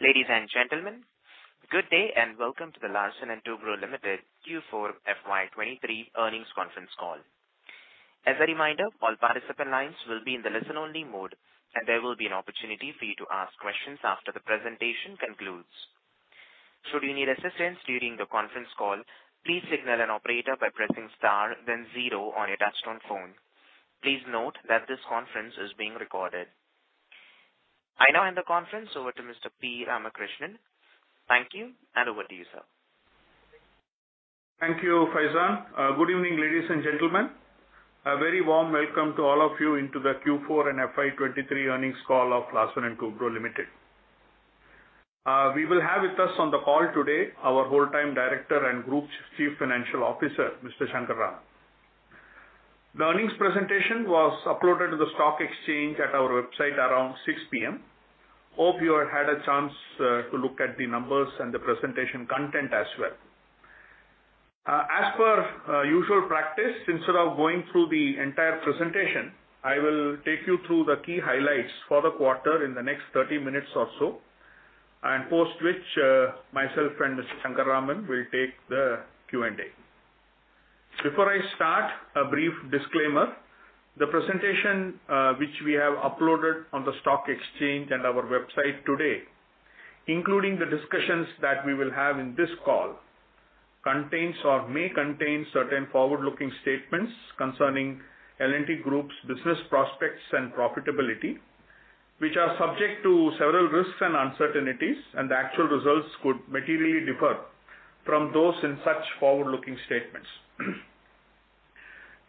Ladies and gentlemen, good day and welcome to the Larsen & Toubro Limited FY 2023 earnings conference call. As a reminder, all participant lines will be in the listen-only mode, and there will be an opportunity for you to ask questions after the presentation concludes. Should you need assistance during the conference call, please signal an operator by pressing star then zero on your touchtone phone. Please note that this conference is being recorded. I now hand the conference over to Mr. P. Ramakrishnan. Thank you, and over to you, sir. Thank you, Faizan. Good evening, ladies and gentlemen. A very warm welcome to all of you into the Q4 and FY 2023 earnings call of Larsen & Toubro Limited. We will have with us on the call today our whole-time director and group chief financial officer, Mr. Shankar Raman. The earnings presentation was uploaded to the stock exchange at our website around 6:00 P.M. Hope you all had a chance to look at the numbers and the presentation content as well. As per usual practice, instead of going through the entire presentation, I will take you through the key highlights for the quarter in the next 30 minutes or so, and post which myself and Mr. Shankar Raman will take the Q&A. Before I start, a brief disclaimer. The presentation, which we have uploaded on the stock exchange and our website today, including the discussions that we will have in this call, contains or may contain certain forward-looking statements concerning L&T Group's business prospects and profitability, which are subject to several risks and uncertainties, and the actual results could materially differ from those in such forward-looking statements.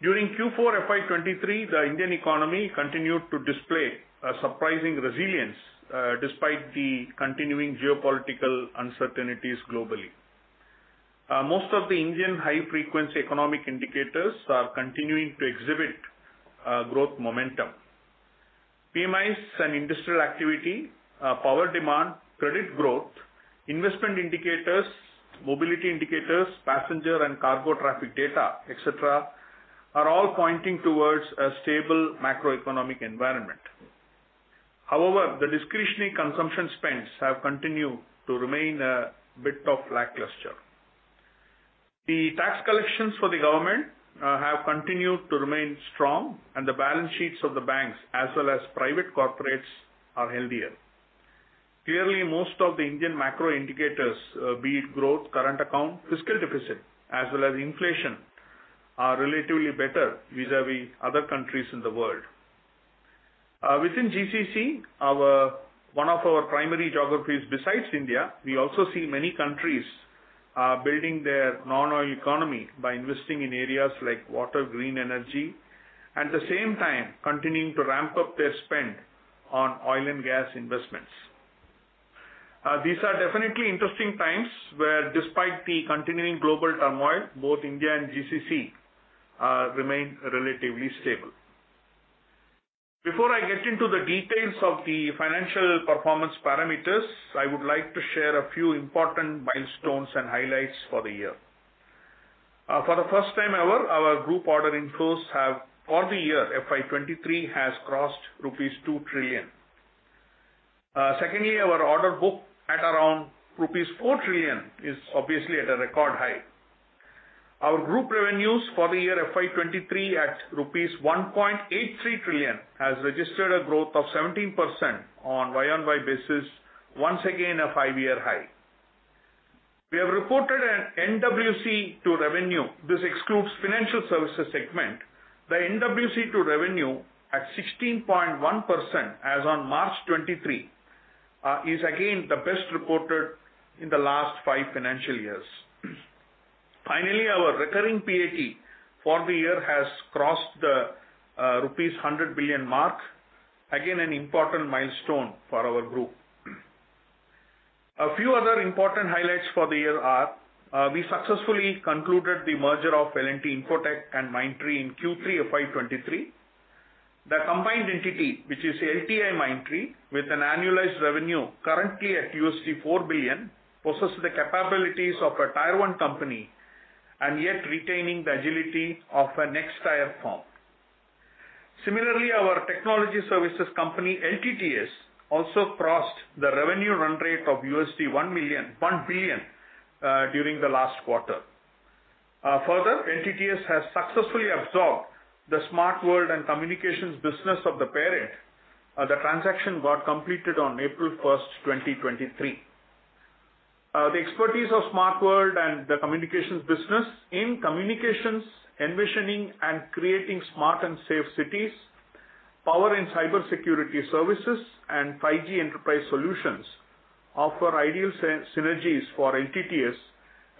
During FY 2023, the Indian economy continued to display a surprising resilience, despite the continuing geopolitical uncertainties globally. Most of the Indian high-frequency economic indicators are continuing to exhibit, growth momentum. PMIs and industrial activity, power demand, credit growth, investment indicators, mobility indicators, passenger and cargo traffic data, et cetera, are all pointing towards a stable macroeconomic environment. However, the discretionary consumption spends have continued to remain a bit of lackluster. The tax collections for the government have continued to remain strong and the balance sheets of the banks as well as private corporates are healthier. Clearly, most of the Indian macro indicators, be it growth, current account, fiscal deficit, as well as inflation, are relatively better vis-à-vis other countries in the world. Within GCC, one of our primary geographies besides India, we also see many countries building their non-oil economy by investing in areas like water, green energy, at the same time continuing to ramp up their spend on oil and gas investments. These are definitely interesting times where despite the continuing global turmoil, both India and GCC remain relatively stable. Before I get into the details of the financial performance parameters, I would like to share a few important milestones and highlights for the year. For the first time ever, our group order inflows have for the FY 2023 has crossed rupees 2 trillion. Secondly, our order book at around rupees 4 trillion is obviously at a record high. Our group revenues for the FY 2023 at rupees 1.83 trillion has registered a growth of 17% on YoY basis, once again a five-year high. We have reported an NWC to revenue. This excludes financial services segment. The NWC to revenue at 16.1% as on March 23 is again the best reported in the last 5 financial years. Finally, our recurring PAT for the year has crossed the rupees 100 billion mark, again an important milestone for our group. A few other important highlights for the year are, we successfully concluded the merger of L&T Infotech and Mindtree in Q3 FY 2023. The combined entity, which is LTIMindtree, with an annualized revenue currently at $4 billion, possesses the capabilities of a tier 1 company and yet retaining the agility of a next-tier firm. Similarly, our technology services company, LTTS, also crossed the revenue run rate of $1 billion during the last quarter. Further, LTTS has successfully absorbed the Smart World & Communication business of the parent. The transaction got completed on April first, 2023. The expertise of Smart World & Communication and the communications business in communications, envisioning and creating smart and safe cities, power and cybersecurity services, and 5G enterprise solutions offer ideal synergies for LTTS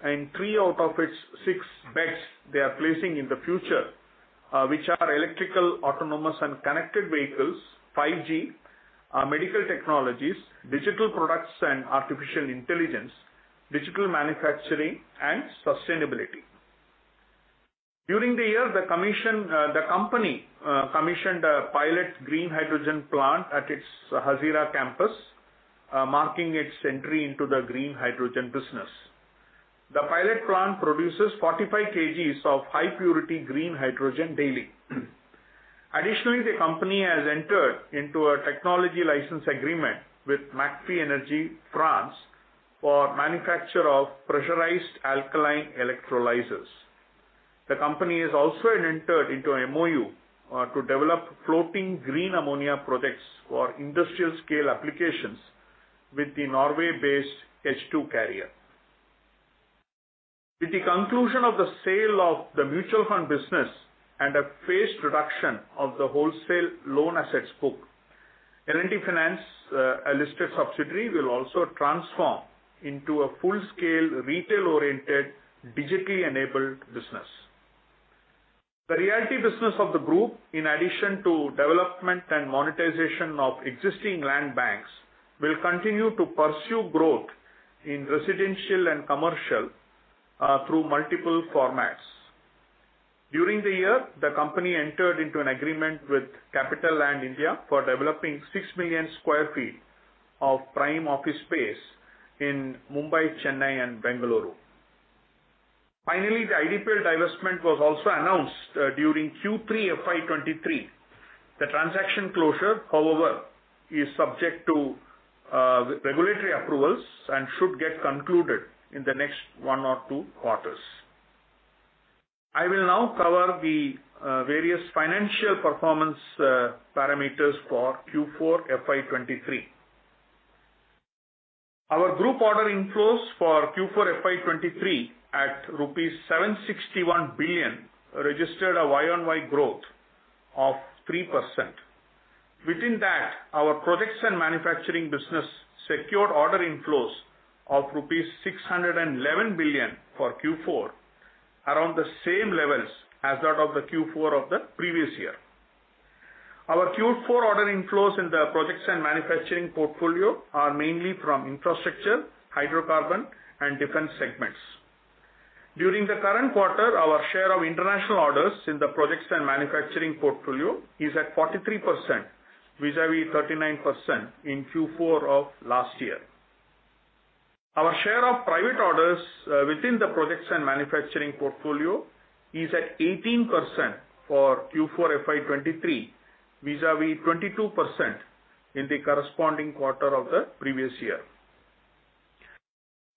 in 3 out of its 6 bets they are placing in the future, which are electrical, autonomous and connected vehicles, 5G, medical technologies, digital products and artificial intelligence, digital manufacturing and sustainability. During the year, the commission, the company, commissioned a pilot green hydrogen plant at its Hazira campus, marking its entry into the green hydrogen business. The pilot plant produces 45 kgs of high purity green hydrogen daily. Additionally, the company has entered into a technology license agreement with McPhy Energy, France, for manufacture of pressurized alkaline electrolyzers. The company has also entered into an MoU to develop floating green ammonia projects for industrial scale applications with the Norway-based H2Carrier. With the conclusion of the sale of the mutual fund business and a phased reduction of the wholesale loan assets book, L&T Finance, a listed subsidiary, will also transform into a full-scale, retail-oriented, digitally enabled business. The reality business of the group, in addition to development and monetization of existing land banks, will continue to pursue growth in residential and commercial through multiple formats. During the year, the company entered into an agreement with CapitaLand India for developing 6 million sq ft of prime office space in Mumbai, Chennai and Bengaluru. Finally, the IDPL divestment was also announced during FY 2023. The transaction closure, however, is subject to regulatory approvals and should get concluded in the next one or two quarters. I will now cover the various financial performance parameters for FY 2023. Our group order inflows for FY 2023 at INR 761 billion registered a YoY growth of 3%. Within that, our projects and manufacturing business secured order inflows of rupees 611 billion for Q4, around the same levels as that of the Q4 of the previous year. Our Q4 order inflows in the projects and manufacturing portfolio are mainly from infrastructure, hydrocarbon and defense segments. During the current quarter, our share of international orders in the projects and manufacturing portfolio is at 43% vis-a-vis 39% in Q4 of last year. Our share of private orders within the projects and manufacturing portfolio is at 18% for FY 2023 vis-a-vis 22% in the corresponding quarter of the previous year.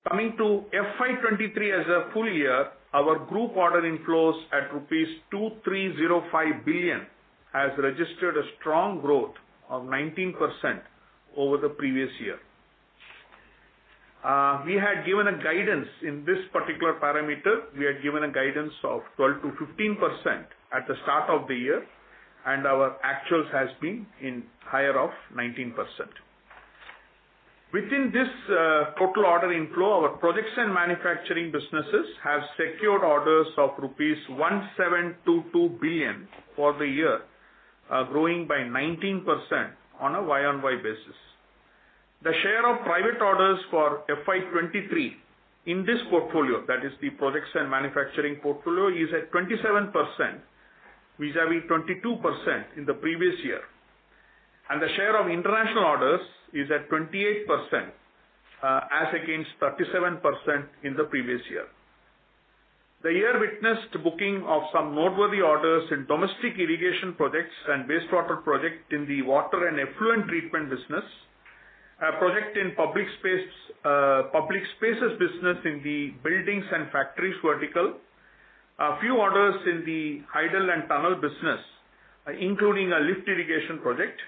Coming FY 2023 as a full year, our group order inflows at rupees 2,305 billion has registered a strong growth of 19% over the previous year. We had given a guidance in this particular parameter. We had given a guidance of 12%-15% at the start of the year, our actuals has been in higher of 19%. Within this total order inflow, our projects and manufacturing businesses have secured orders of rupees 1,722 billion for the year, growing by 19% on a YoY basis. The share of private orders FY 2023 in this portfolio, that is the projects and manufacturing portfolio, is at 27% vis-a-vis 22% in the previous year. The share of international orders is at 28% as against 37% in the previous year. The year witnessed booking of some noteworthy orders in domestic irrigation projects and wastewater project in the water and effluent treatment business. A project in public space, public spaces business in the buildings and factories vertical. A few orders in the hydel and tunnel business, including a lift irrigation project.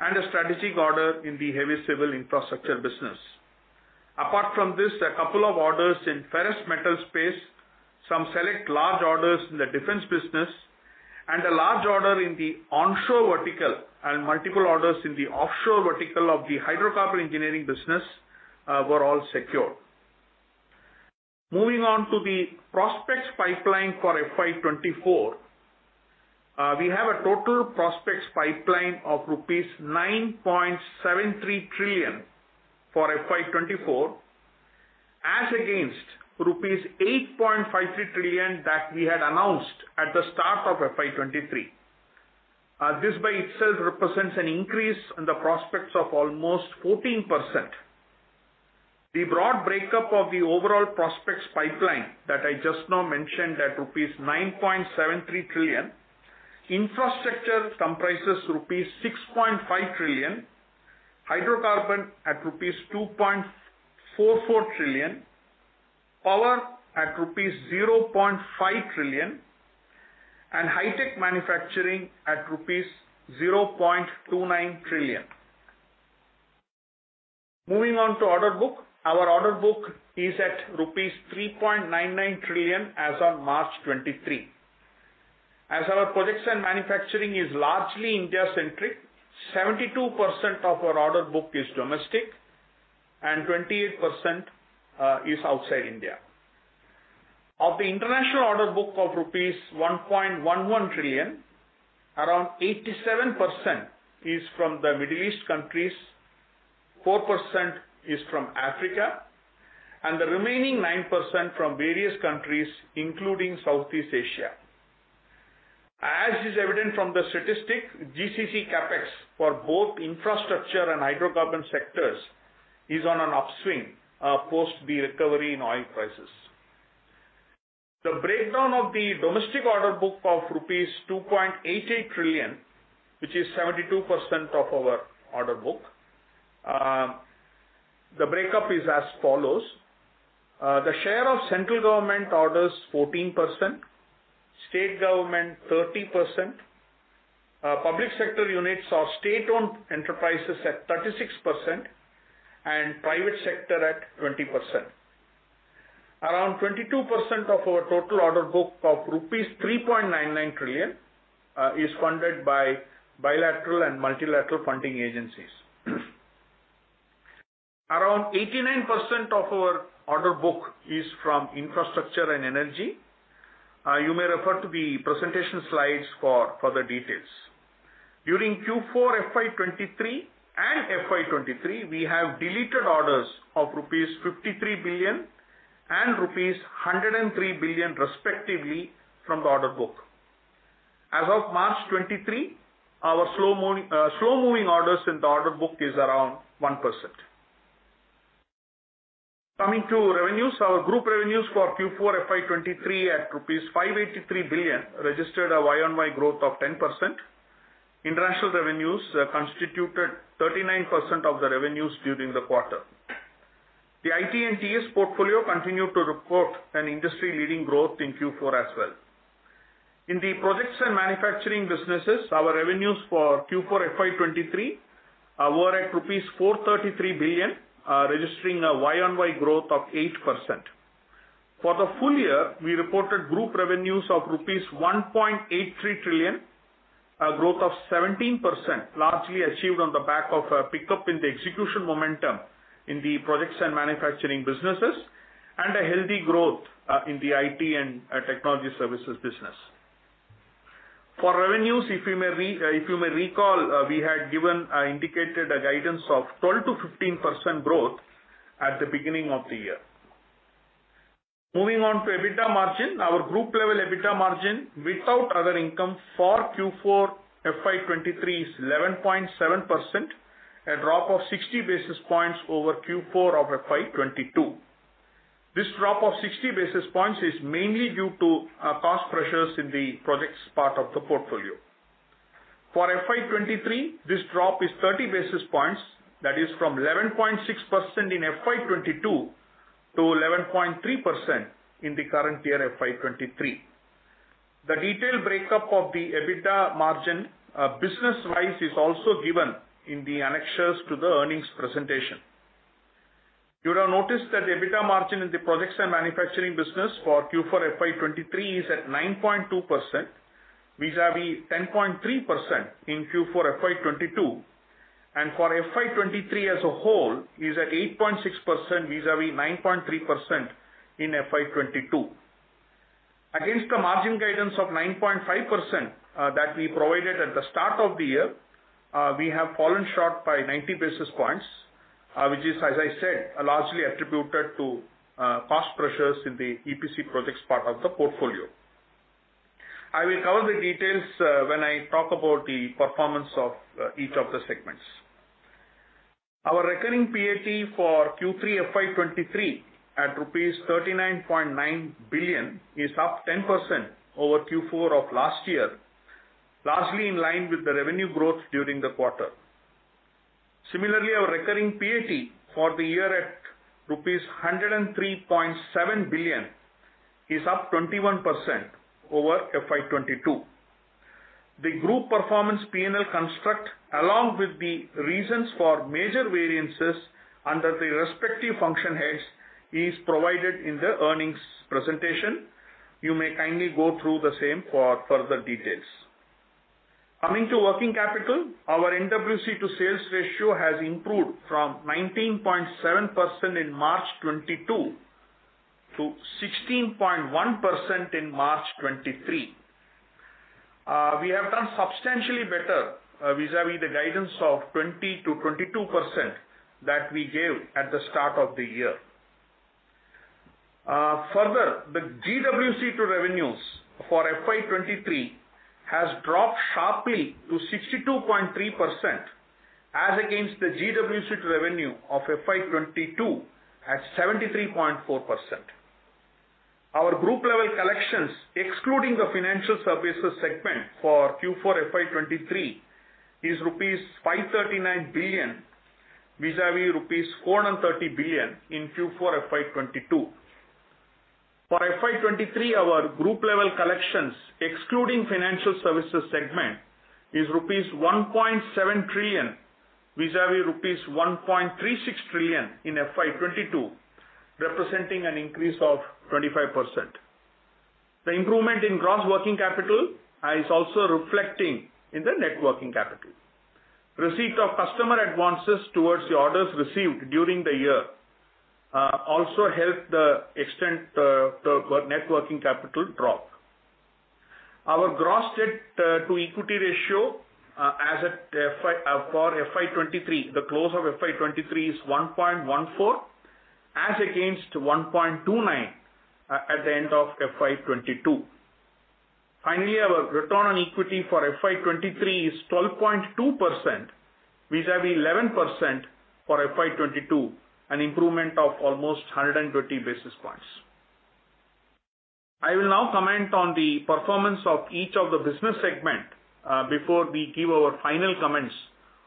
A strategic order in the heavy civil infrastructure business. Apart from this, a couple of orders in ferrous metal space, some select large orders in the defense business, and a large order in the onshore vertical and multiple orders in the offshore vertical of the hydrocarbon engineering business, were all secured. Moving on to the prospects pipeline FY 2024. We have a total prospects pipeline of rupees 9.73 trillion FY 2024, as against rupees 8.53 trillion that we had announced at the start FY 2023. This by itself represents an increase in the prospects of almost 14%. The broad breakup of the overall prospects pipeline that I just now mentioned at rupees 9.73 trillion. Infrastructure comprises rupees 6.5 trillion, hydrocarbon at rupees 2.44 trillion, power at rupees 0.5 trillion, and high-tech manufacturing at rupees 0.29 trillion. Moving on to order book. Our order book is at rupees 3.99 trillion as on March 23. As our projects and manufacturing is largely India-centric, 72% of our order book is domestic and 28% is outside India. Of the international order book of rupees 1.11 trillion, around 87% is from the Middle East countries, 4% is from Africa, and the remaining 9% from various countries, including Southeast Asia. As is evident from the statistic, GCC CapEx for both infrastructure and hydrocarbon sectors is on an upswing, post the recovery in oil prices. The breakdown of the domestic order book of rupees 2.88 trillion, which is 72% of our order book, the breakup is as follows. The share of central government order is 14%, state government 30%, public sector units or state-owned enterprises at 36%, and private sector at 20%. Around 22% of our total order book of rupees 3.99 trillion is funded by bilateral and multilateral funding agencies. Around 89% of our order book is from infrastructure and energy. You may refer to the presentation slides for further details. During FY 2023, we have deleted orders of rupees 53 billion and rupees 103 billion respectively from the order book. As of March 23, our slow moving orders in the order book is around 1%. Coming to revenues. Our group revenues for FY 2023 at INR 583 billion registered a YoY growth of 10%. International revenues constituted 39% of the revenues during the quarter. The IT and TS portfolio continued to report an industry-leading growth in Q4 as well. In the projects and manufacturing businesses, our revenues for FY 2023 were at rupees 433 billion, registering a YoY growth of 8%. For the full year, we reported group revenues of rupees 1.83 trillion, a growth of 17% largely achieved on the back of a pickup in the execution momentum in the projects and manufacturing businesses and a healthy growth in the IT and technology services business. For revenues, if you may recall, we had given indicated a guidance of 12%-15% growth at the beginning of the year. Moving on to EBITDA margin. Our group level EBITDA margin without other income for FY 2023 is 11.7%, a drop of 60 basis points over FY 2022. This drop of 60 basis points is mainly due to cost pressures in the projects part of the portfolio. FY 2023, this drop is 30 basis points. That is from 11.6% FY 2022 to 11.3% in the current FY 2023. The detailed breakup of the EBITDA margin, business-wise is also given in the annexures to the earnings presentation. You would have noticed that the EBITDA margin in the projects and manufacturing business for FY 2023 is at 9.2% vis-a-vis 10.3% in FY 2023 as a whole is at 8.6% vis-a-vis 9.3% FY 2022. Against the margin guidance of 9.5% that we provided at the start of the year, we have fallen short by 90 basis points, which is, as I said, largely attributed to cost pressures in the EPC projects part of the portfolio. I will cover the details when I talk about the performance of each of the segments. Our recurring PAT for FY 2023 at rupees 39.9 billion is up 10% over Q4 of last year, largely in line with the revenue growth during the quarter. Similarly, our recurring PAT for the year at rupees 103.7 billion is up 21% FY 2022. The group performance P&L construct, along with the reasons for major variances under the respective function heads, is provided in the earnings presentation. You may kindly go through the same for further details. Coming to working capital. Our NWC to sales ratio has improved from 19.7% in March 2022 to 16.1% in March 2023. We have done substantially better vis-a-vis the guidance of 20%-22% that we gave at the start of the year. Further, the GWC to revenues FY 2023 has dropped sharply to 62.3% as against the GWC to revenue FY 2022 at 73.4%. Our group level collections, excluding the financial services segment for FY 2023, is rupees 539 billion vis-a-vis rupees 430 billion in FY 2023, our group level collections, excluding financial services segment, is rupees 1.7 trillion vis-a-vis rupees 1.36 trillion FY 2022, representing an increase of 25%. The improvement in gross working capital is also reflecting in the net working capital. Receipt of customer advances towards the orders received during the year also helped extend the net working capital drop. Our gross debt to equity ratio for FY 2023, the close of FY 2023 is 1.14, as against 1.29 at the end of FY 2022. Our return on equity for FY 2023 is 12.2% vis-a-vis 11% for FY 2022, an improvement of almost 120 basis points. I will now comment on the performance of each of the business segment before we give our final comments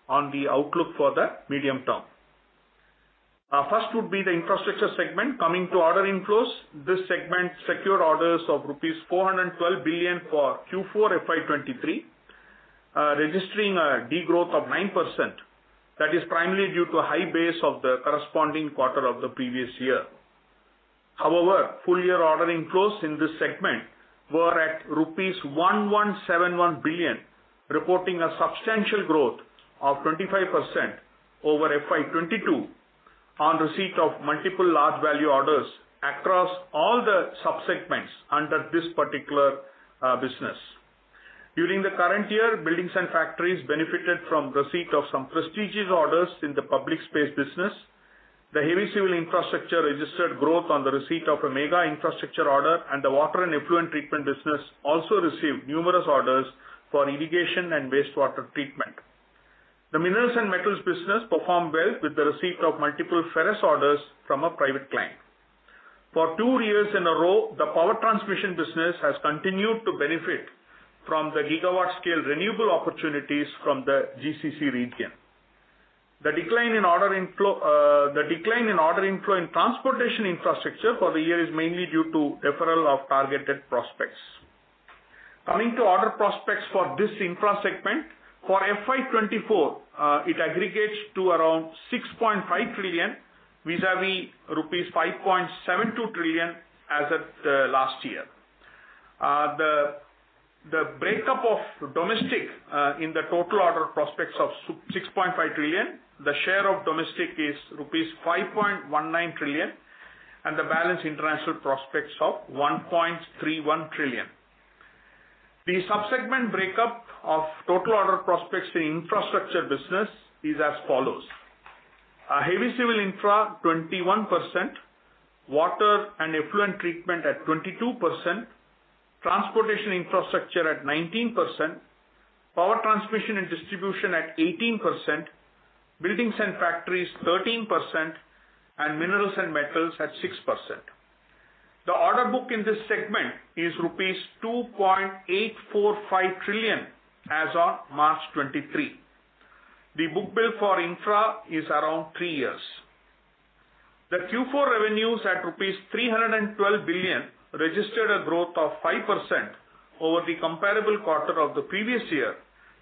on the outlook for the medium term. First would be the infrastructure segment. Coming to order inflows, this segment secured orders of INR 412 billion for Q4 FY 2023, registering a degrowth of 9%. That is primarily due to a high base of the corresponding quarter of the previous year. Full year order inflows in this segment were at rupees 1,171 billion, reporting a substantial growth of 25% FY 2022 on receipt of multiple large value orders across all the sub-segments under this particular business. During the current year, buildings and factories benefited from receipt of some prestigious orders in the public space business. The heavy civil infrastructure registered growth on the receipt of a mega infrastructure order, and the water and effluent treatment business also received numerous orders for irrigation and wastewater treatment. The minerals and metals business performed well with the receipt of multiple ferrous orders from a private client. For two years in a row, the power transmission business has continued to benefit from the gigawatt scale renewable opportunities from the GCC region. The decline in order inflow in transportation infrastructure for the year is mainly due to deferral of targeted prospects. Coming to order prospects for this infra segment, for FY 2024, it aggregates to around 6.5 trillion, vis-a-vis rupees 5.72 trillion as at last year. The breakup of domestic in the total order prospects of 6.5 trillion, the share of domestic is rupees 5.19 trillion, and the balance international prospects of 1.31 trillion. The sub-segment breakup of total order prospects in infrastructure business is as follows: heavy civil infra 21%, water and effluent treatment at 22%, transportation infrastructure at 19%, power transmission and distribution at 18%, buildings and factories 13%, and minerals and metals at 6%. The order book in this segment is rupees 2.845 trillion as on March 23. The book bill for infra is around three years. The Q4 revenues at 312 billion rupees registered a growth of 5% over the comparable quarter of the previous year,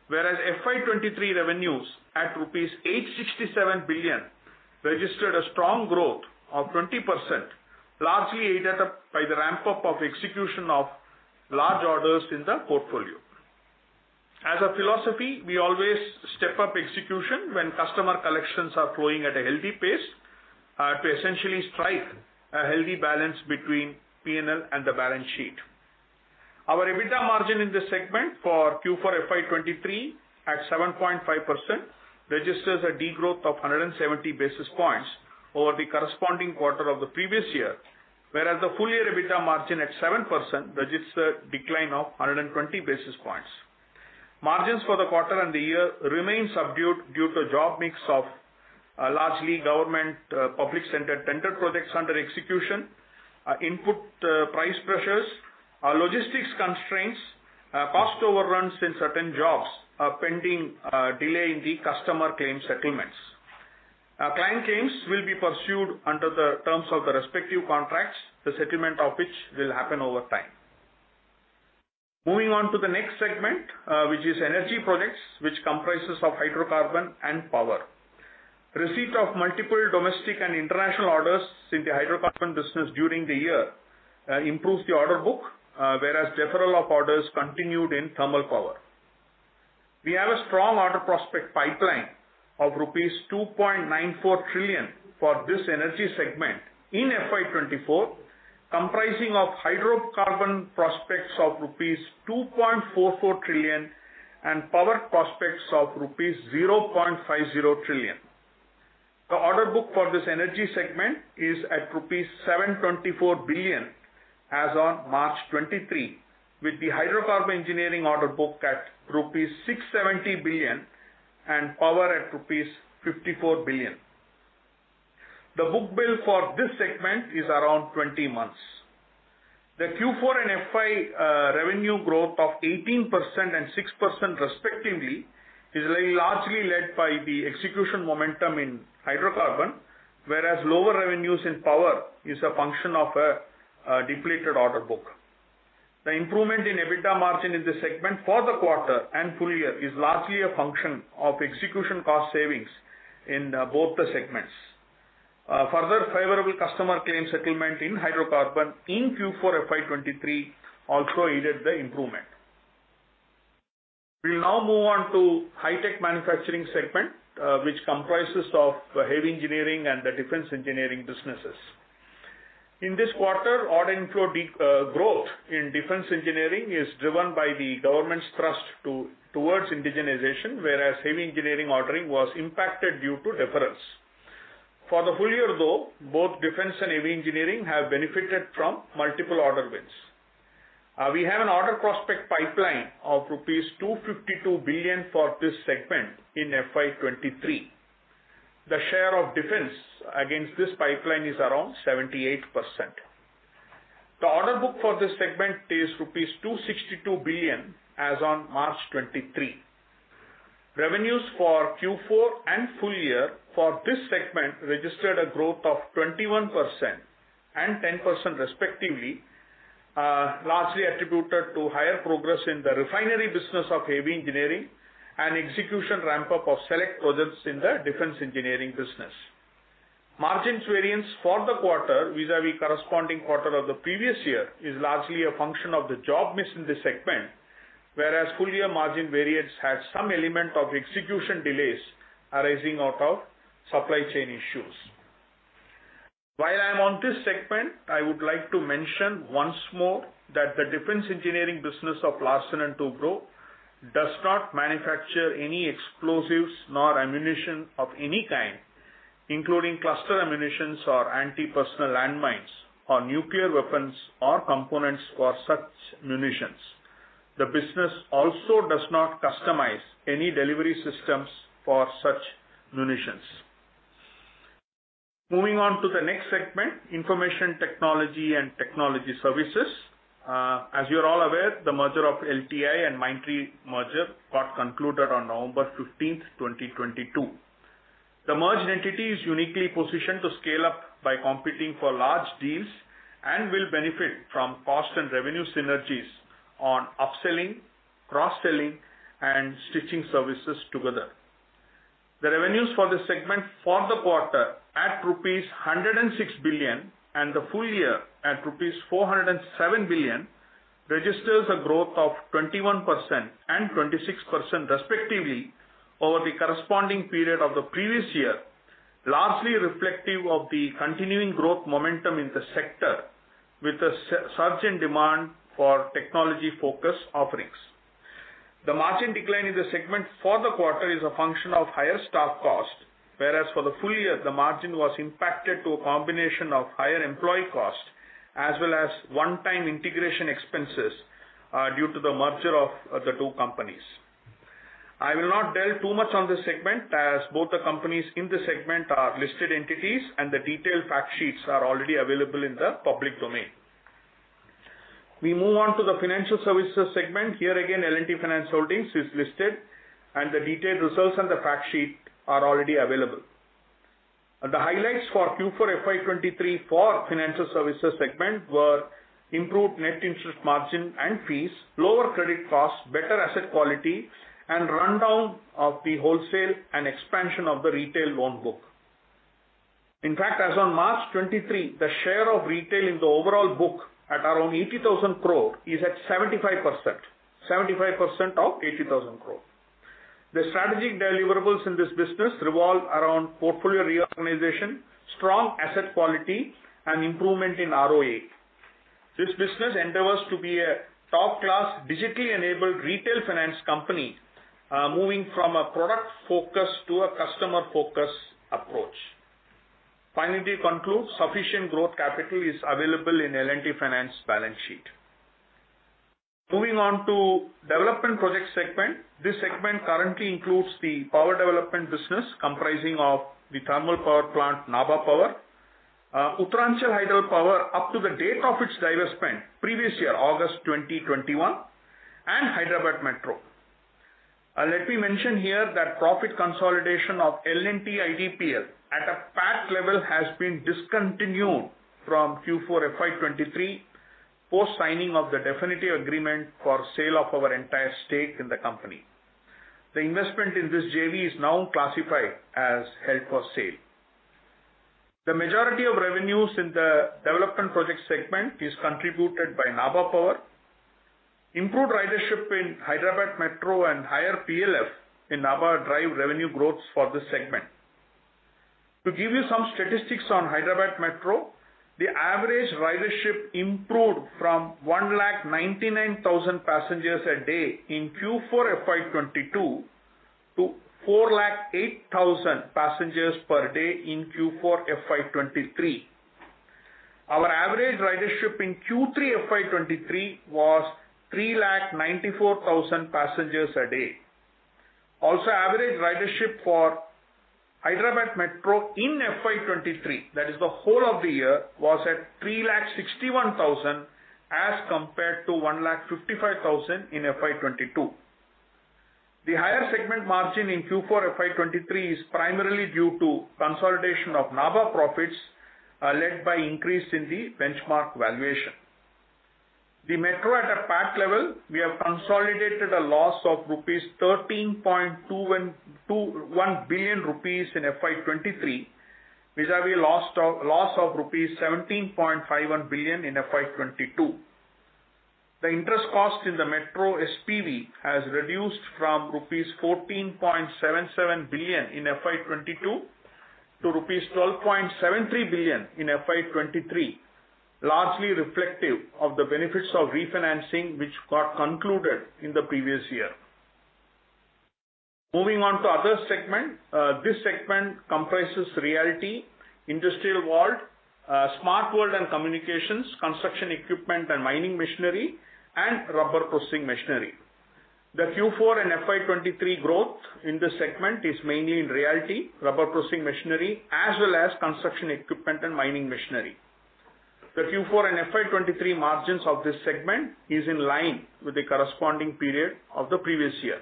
FY 2023 revenues at rupees 867 billion registered a strong growth of 20%, largely aided up by the ramp-up of execution of large orders in the portfolio. As a philosophy, we always step up execution when customer collections are flowing at a healthy pace, to essentially strike a healthy balance between P&L and the balance sheet. Our EBITDA margin in this segment for FY 2023 at 7.5% registers a degrowth of 170 basis points over the corresponding quarter of the previous year, whereas the full year EBITDA margin at 7% registers a decline of 120 basis points. Margins for the quarter and the year remain subdued due to job mix of largely government, public sector tender projects under execution, input price pressures, logistics constraints, cost overruns in certain jobs, pending delay in the customer claim settlements. Our client claims will be pursued under the terms of the respective contracts, the settlement of which will happen over time. Moving on to the next segment, which is energy projects, which comprises of hydrocarbon and power. Receipt of multiple domestic and international orders in the hydrocarbon business during the year, improves the order book, whereas deferral of orders continued in thermal power. We have a strong order prospect pipeline of rupees 2.94 trillion for this energy segment FY 2024, comprising of hydrocarbon prospects of rupees 2.44 trillion and power prospects of rupees 0.50 trillion. The order book for this energy segment is at rupees 724 billion as on March 2023, with the hydrocarbon engineering order book at rupees 670 billion and power at rupees 54 billion. The book-to-bill for this segment is around 20 months. The Q4 and FY revenue growth of 18% and 6% respectively is really largely led by the execution momentum in hydrocarbon, whereas lower revenues in power is a function of a depleted order book. The improvement in EBITDA margin in this segment for the quarter and full year is largely a function of execution cost savings in both the segments. Further favorable customer claim settlement in hydrocarbon in Q4 FY 2023 also aided the improvement. We'll now move on to high tech manufacturing segment, which comprises of heavy engineering and the defense engineering businesses. In this quarter, order inflow growth in defense engineering is driven by the government's trust towards indigenization, whereas heavy engineering ordering was impacted due to deferrals. For the full year though, both defense and heavy engineering have benefited from multiple order wins. We have an order prospect pipeline of rupees 252 billion for this segment FY 2023. The share of defense against this pipeline is around 78%. The order book for this segment is rupees 262 billion as on March 2023. Revenues for Q4 and full year for this segment registered a growth of 21% and 10% respectively, largely attributed to higher progress in the refinery business of heavy engineering and execution ramp-up of select projects in the defense engineering business. Margins variance for the quarter vis-a-vis corresponding quarter of the previous year is largely a function of the job mix in this segment, whereas full year margin variance has some element of execution delays arising out of supply chain issues. While I am on this segment, I would like to mention once more that the defense engineering business of Larsen & Toubro does not manufacture any explosives nor ammunition of any kind, including cluster ammunitions or anti-personnel landmines or nuclear weapons or components for such munitions. The business also does not customize any delivery systems for such munitions. As you are all aware, the merger of LTI and Mindtree merger got concluded on November 15, 2022. The merged entity is uniquely positioned to scale up by competing for large deals and will benefit from cost and revenue synergies on upselling, cross-selling and stitching services together. The revenues for this segment for the quarter at rupees 106 billion and the full year at rupees 407 billion registers a growth of 21% and 26% respectively over the corresponding period of the previous year, largely reflective of the continuing growth momentum in the sector with a surge in demand for technology-focused offerings. The margin decline in the segment for the quarter is a function of higher staff cost, whereas for the full year, the margin was impacted to a combination of higher employee costs as well as one-time integration expenses due to the merger of the two companies. I will not delve too much on this segment as both the companies in this segment are listed entities and the detailed fact sheets are already available in the public domain. We move on to the financial services segment. Here again, L&T Finance Holdings is listed, and the detailed results and the fact sheet are already available. The highlights for FY 2023 for financial services segment were improved net interest margin and fees, lower credit costs, better asset quality and rundown of the wholesale and expansion of the retail loan book. In fact, as on March 23, the share of retail in the overall book at around 80,000 crore is at 75%, 75% of 80,000 crore. The strategic deliverables in this business revolve around portfolio reorganization, strong asset quality and improvement in ROA. This business endeavors to be a top-class digitally enabled retail finance company, moving from a product focus to a customer focus approach. Finally, to conclude, sufficient growth capital is available in L&T Finance balance sheet. Moving on to development project segment. This segment currently includes the power development business comprising of the thermal power plant Nabha Power, L&T Uttaranchal Hydropower up to the date of its divestment previous year, August 2021, and Hyderabad Metro. Let me mention here that profit consolidation of L&T IDPL at a PAT level has been discontinued from FY 2023, post signing of the definitive agreement for sale of our entire stake in the company. The investment in this JV is now classified as held for sale. The majority of revenues in the development project segment is contributed by Nabha Power. Improved ridership in Hyderabad Metro and higher PLF in Nabha drive revenue growth for this segment. To give you some statistics on Hyderabad Metro, the average ridership improved from 1,99,000 passengers a day in FY 2022 to 4,08,000 passengers per day in Q4 FY 2023. Our average ridership in Q3 FY 2023 was 3.94 lakh passengers a day. Average ridership for Hyderabad Metro in FY 2023, that is the whole of the year, was at 3.61 lakh as compared to 1.55 lakh in FY 2022. The higher segment margin in Q4 FY 2023 is primarily due to consolidation of Nabha profits, led by increase in the benchmark valuation. The Metro at a PAT level, we have consolidated a loss of 13.21 billion rupees in FY 2023 vis-a-vis loss of rupees 17.51 billion in FY 2022. The interest cost in the Metro SPV has reduced from rupees 14.77 billion FY 2022 to rupees 12.73 billion FY 2023, largely reflective of the benefits of refinancing which got concluded in the previous year. Moving on to other segment. This segment comprises realty, industrial world, Smart World & Communication, construction equipment and mining machinery, and rubber processing machinery. The Q4 FY 2023 growth in this segment is mainly in realty, rubber processing machinery, as well as construction equipment and mining machinery. The Q4 FY 2023 margins of this segment is in line with the corresponding period of the previous year.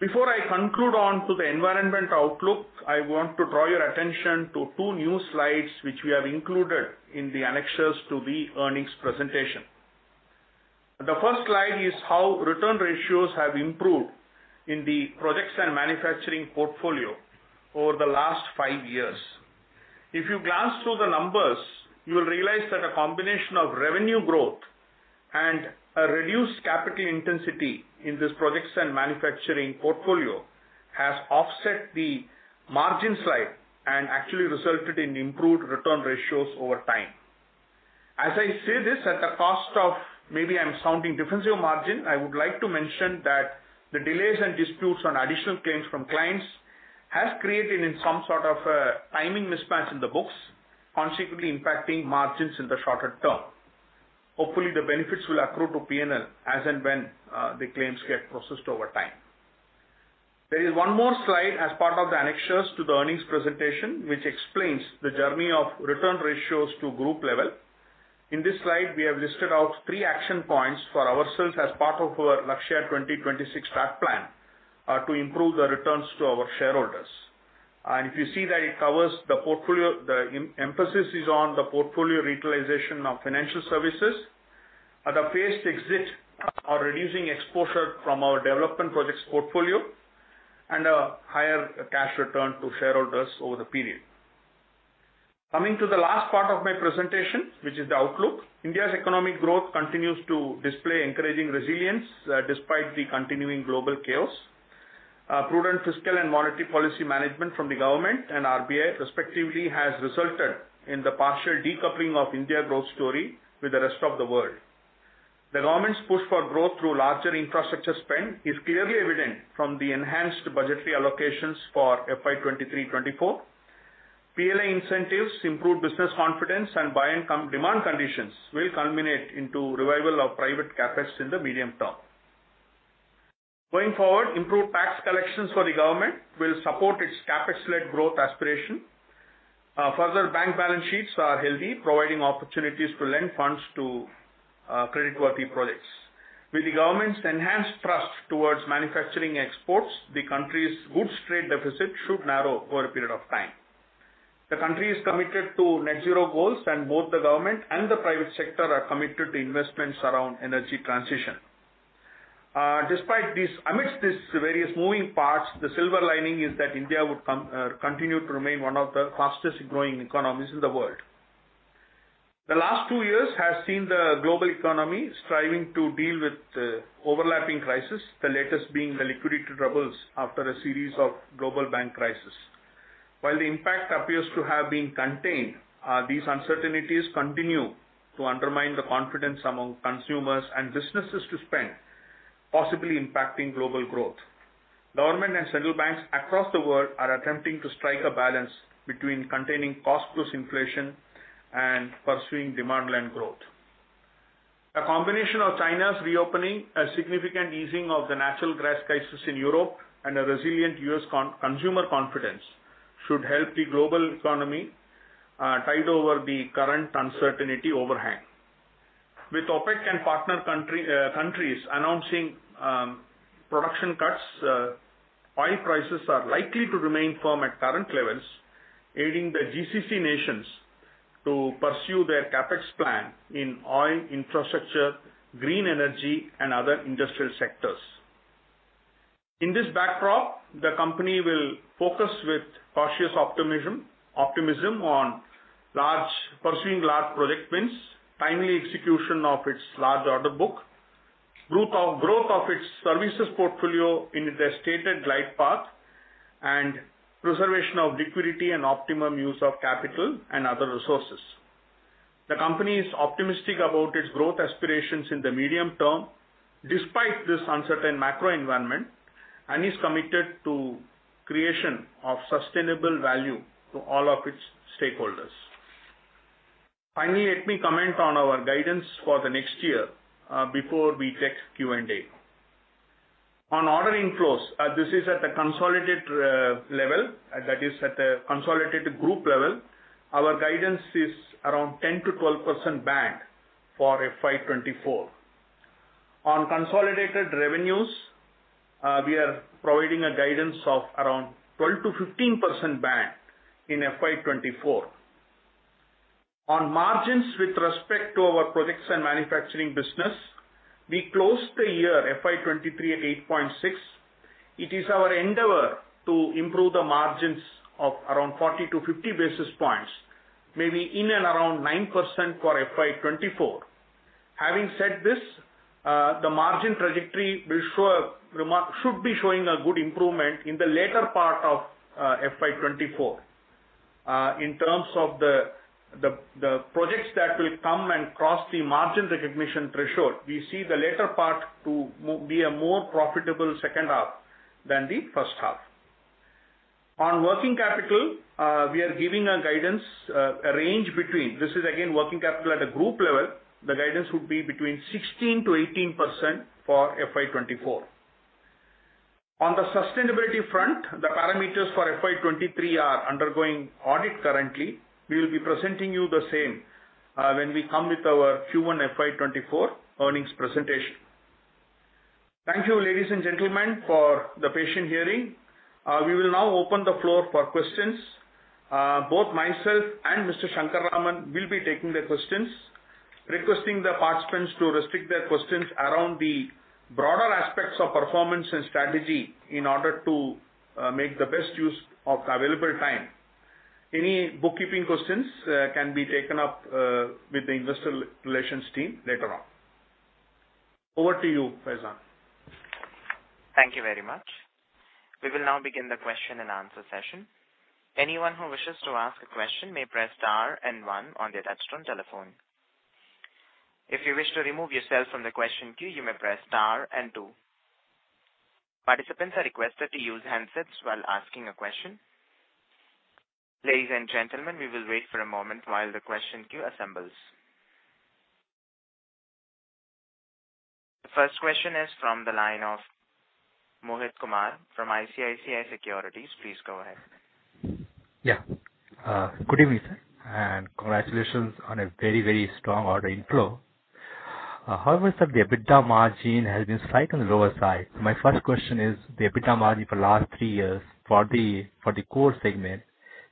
Before I conclude on to the environment outlook, I want to draw your attention to two new slides which we have included in the annexures to the earnings presentation. The first slide is how return ratios have improved in the projects and manufacturing portfolio over the last five years. If you glance through the numbers, you will realize that a combination of revenue growth and a reduced capital intensity in this projects and manufacturing portfolio has offset the margin side and actually resulted in improved return ratios over time. As I say this at the cost of maybe I'm sounding defensive margin, I would like to mention that the delays and disputes on additional claims from clients has created in some sort of a timing mismatch in the books, consequently impacting margins in the shorter term. Hopefully, the benefits will accrue to PNL as and when the claims get processed over time. There is one more slide as part of the annexures to the earnings presentation, which explains the journey of return ratios to group level. In this slide, we have listed out three action points for ourselves as part of our Lakshya 2026 track plan to improve the returns to our shareholders. If you see that it covers the portfolio, the emphasis is on the portfolio reutilization of financial services, at a paced exit are reducing exposure from our development projects portfolio and a higher cash return to shareholders over the period. Coming to the last part of my presentation, which is the outlook. India's economic growth continues to display encouraging resilience despite the continuing global chaos. Prudent fiscal and monetary policy management from the government and RBI respectively has resulted in the partial decoupling of India growth story with the rest of the world. The government's push for growth through larger infrastructure spend is clearly evident from the enhanced budgetary allocations for FY 2023, 2024. PLI incentives, improved business confidence and buy-and-come demand conditions will culminate into revival of private CapEx in the medium term. Going forward, improved tax collections for the government will support its CapEx-led growth aspiration. Further bank balance sheets are healthy, providing opportunities to lend funds to creditworthy projects. With the government's enhanced trust towards manufacturing exports, the country's goods trade deficit should narrow over a period of time. The country is committed to net zero goals, and both the government and the private sector are committed to investments around energy transition. Amidst these various moving parts, the silver lining is that India would come continue to remain one of the fastest growing economies in the world. The last two years has seen the global economy striving to deal with, overlapping crisis, the latest being the liquidity troubles after a series of global bank crisis. While the impact appears to have been contained, these uncertainties continue to undermine the confidence among consumers and businesses to spend, possibly impacting global growth. Government and central banks across the world are attempting to strike a balance between containing cost-plus inflation and pursuing demand-led growth. A combination of China's reopening, a significant easing of the natural gas crisis in Europe, and a resilient U.S. consumer confidence should help the global economy, tide over the current uncertainty overhang. With OPEC and partner country, countries announcing, production cuts, oil prices are likely to remain firm at current levels, aiding the GCC nations to pursue their CapEx plan in oil infrastructure, green energy and other industrial sectors. In this backdrop, the company will focus with cautious optimism on pursuing large project wins, timely execution of its large order book, growth of its services portfolio in the stated glide path, and preservation of liquidity and optimum use of capital and other resources. The company is optimistic about its growth aspirations in the medium term despite this uncertain macro environment, and is committed to creation of sustainable value to all of its stakeholders. Finally, let me comment on our guidance for the next year before we take Q&A. On ordering flows, this is at a consolidated level, that is at a consolidated group level. Our guidance is around 10%-12% band FY 2024. On consolidated revenues, we are providing a guidance of around 12%-15% band in FY 2024. On margins with respect to our projects and manufacturing business, we closed the FY 2023 at 8.6%. It is our endeavor to improve the margins of around 40 to 50 basis points, maybe in and around 9% FY 2024. Having said this, the margin trajectory should be showing a good improvement in the later part of FY 2024. In terms of the projects that will come and cross the margin recognition threshold, we see the later part to be a more profitable second half than the first half. On working capital, we are giving a guidance, a range between. This is again working capital at a group level. The guidance would be between 16%-18% FY 2024. On the sustainability front, the parameters FY 2023 are undergoing audit currently. We will be presenting you the same when we come with our FY 2024 earnings presentation. Thank you, ladies and gentlemen, for the patient hearing. We will now open the floor for questions. Both myself and Mr. Shankar Raman will be taking the questions. Requesting the participants to restrict their questions around the broader aspects of performance and strategy in order to make the best use of the available time. Any bookkeeping questions can be taken up with the investor relations team later on. Over to you, Faizan. Thank you very much. We will now begin the question-and-answer session. Anyone who wishes to ask a question may press star and 1 on their touchtone telephone. If you wish to remove yourself from the question queue, you may press star and 2. Participants are requested to use handsets while asking a question. Ladies and gentlemen, we will wait for a moment while the question queue assembles. The first question is from the line of Mohit Kumar from ICICI Securities. Please go ahead. Yeah. Good evening, sir, and congratulations on a very, very strong order inflow. However, sir, the EBITDA margin has been slightly lower side. My first question is the EBITDA margin for last three years for the core segment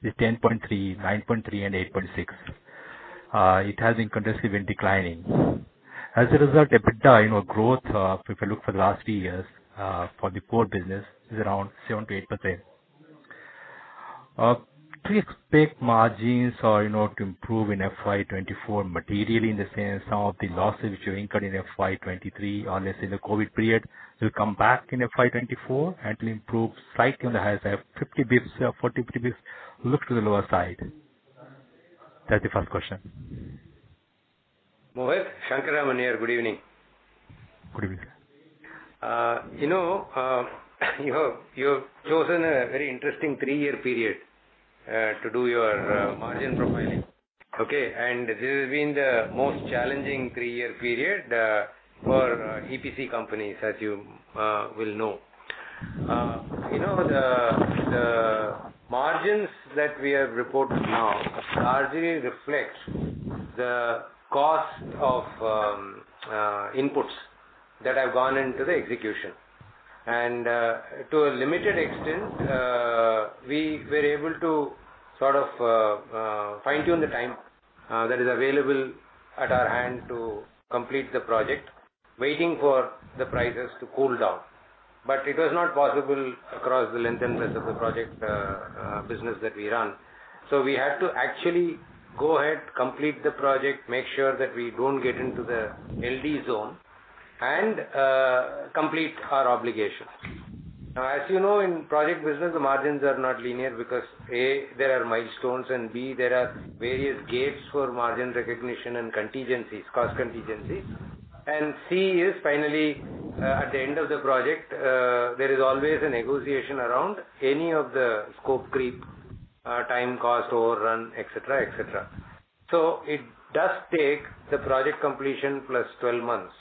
is 10.3%, 9.3% and 8.6%. It has been continuously declining. As a result, EBITDA, you know, growth, if you look for the last three years, for the core business, is around 7%-8%. Please pick margins or, you know, to improve FY 2024 materially in the sense some of the losses which you incurred FY 2023 or let's say the COVID period will come back FY 2024 and will improve slightly in the higher side, 50 basis points, 40-50 basis points, look to the lower side. That's the first question. Mohit, Shankar Raman, good evening. Good evening. you know, you have chosen a very interesting three-year period to do your margin profiling. Okay? This has been the most challenging three-year period for EPC companies, as you will know. You know, the margins that we have reported now largely reflect the cost of inputs that have gone into the execution. To a limited extent, we were able to sort of fine-tune the time that is available at our hand to complete the project, waiting for the prices to cool down. But it was not possible across the length and breadth of the project business that we run. We had to actually go ahead, complete the project, make sure that we don't get into the LD zone and complete our obligations. As you know, in project business, the margins are not linear because, A, there are milestones, and B, there are various gaps for margin recognition and contingencies, cost contingencies. C is finally, at the end of the project, there is always a negotiation around any of the scope creep, time cost overrun, et cetera, et cetera. It does take the project completion plus 12 months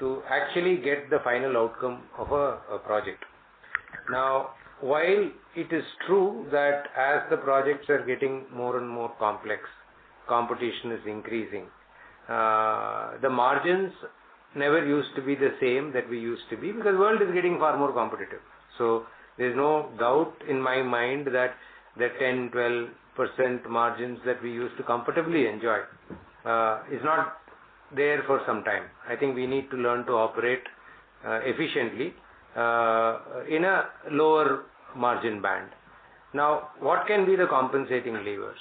to actually get the final outcome of a project. While it is true that as the projects are getting more and more complex, competition is increasing, the margins never used to be the same that we used to be because world is getting far more competitive. There's no doubt in my mind that the 10%, 12% margins that we used to comfortably enjoy, is not there for some time. I think we need to learn to operate, efficiently, in a lower margin band. What can be the compensating levers?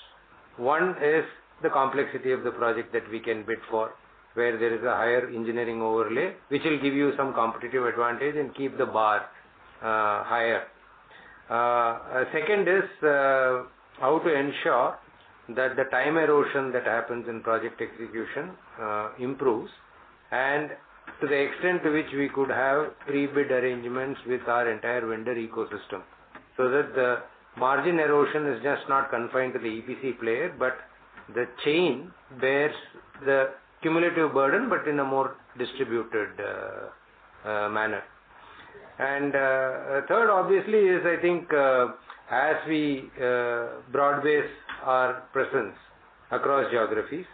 One is the complexity of the project that we can bid for, where there is a higher engineering overlay, which will give you some competitive advantage and keep the bar, higher. Second is, how to ensure that the time erosion that happens in project execution, improves and to the extent to which we could have pre-bid arrangements with our entire vendor ecosystem so that the margin erosion is just not confined to the EPC player, but the chain bears the cumulative burden but in a more distributed, manner. Third obviously is I think, as we broad base our presence across geographies,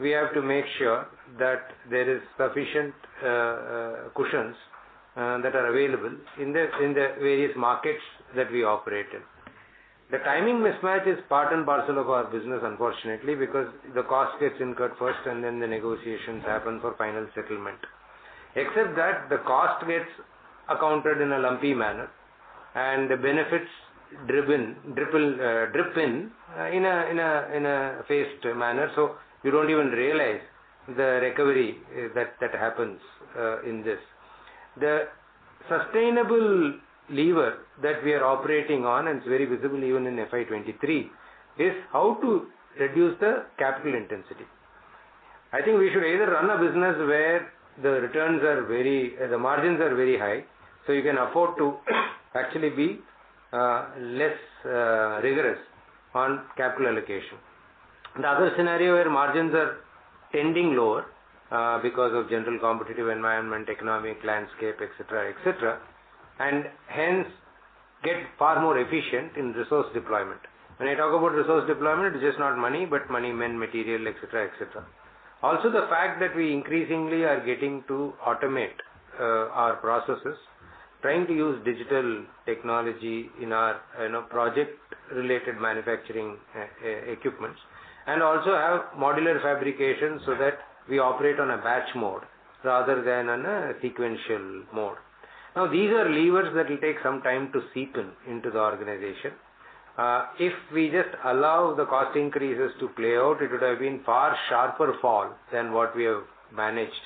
we have to make sure that there is sufficient cushions that are available in the various markets that we operate in. The timing mismatch is part and parcel of our business unfortunately, because the cost gets incurred first and then the negotiations happen for final settlement. Except that the cost gets accounted in a lumpy manner and the benefits driven, drip in a phased manner, so you don't even realize the recovery that happens in this. The sustainable lever that we are operating on, and it's very visible even in FY 2023, is how to reduce the capital intensity. I think we should either run a business where the margins are very high, so you can afford to actually be less rigorous on capital allocation. The other scenario where margins are trending lower because of general competitive environment, economic landscape, et cetera, et cetera, and hence get far more efficient in resource deployment. When I talk about resource deployment, it's just not money, but money, men, material, et cetera, et cetera. Also the fact that we increasingly are getting to automate our processes, trying to use digital technology in our, you know, project-related manufacturing equipments, and also have modular fabrication so that we operate on a batch mode rather than on a sequential mode. These are levers that will take some time to seep in into the organization. If we just allow the cost increases to play out, it would have been far sharper fall than what we have managed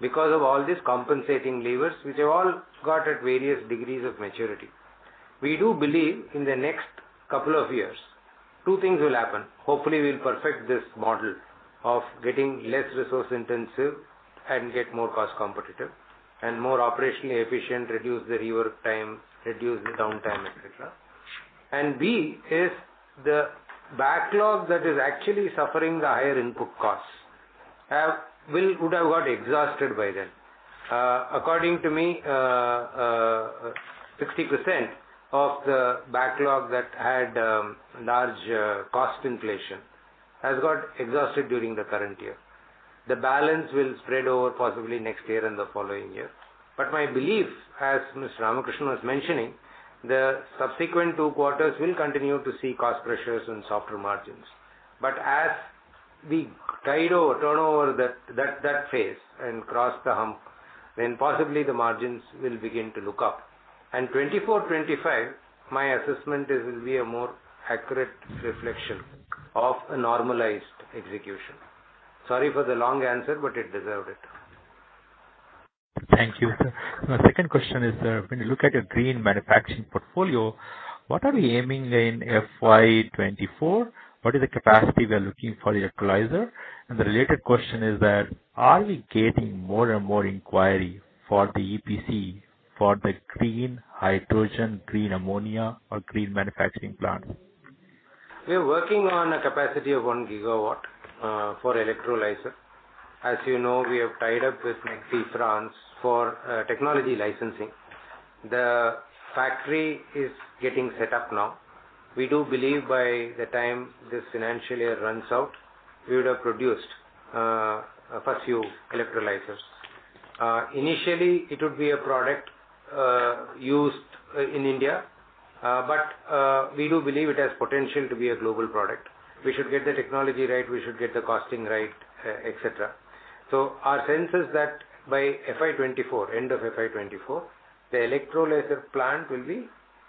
because of all these compensating levers which have all got at various degrees of maturity. We do believe in the next couple of years, two things will happen. Hopefully, we'll perfect this model of getting less resource-intensive and get more cost competitive and more operationally efficient, reduce the rework time, reduce the downtime, et cetera. B, is the backlog that is actually suffering the higher input costs would have got exhausted by then. According to me, 60% of the backlog that had large cost inflation has got exhausted during the current year. The balance will spread over possibly next year and the following year. My belief, as Mr. Ramakrishnan was mentioning, the subsequent two quarters will continue to see cost pressures and softer margins. As we tide over, turn over that phase and cross the hump, then possibly the margins will begin to look up. 2024, 2025, my assessment is, it'll be a more accurate reflection of a normalized execution. Sorry for the long answer, but it deserved it. Thank you, sir. My second question is, when you look at your green manufacturing portfolio, what are we aiming in FY 2024? What is the capacity we are looking for the electrolyzer? The related question is that, are we getting more and more inquiry for the EPC for the green hydrogen, green ammonia or green manufacturing plant? We are working on a capacity of 1 GW for electrolyzer. As you know, we have tied up with McPhy for technology licensing. The factory is getting set up now. We do believe by the time this financial year runs out, we would have produced a few electrolyzers. Initially it would be a product used in India, but we do believe it has potential to be a global product. We should get the technology right, we should get the costing right, et cetera. Our sense is that FY 2024, end FY 2024, the electrolyzer plant will be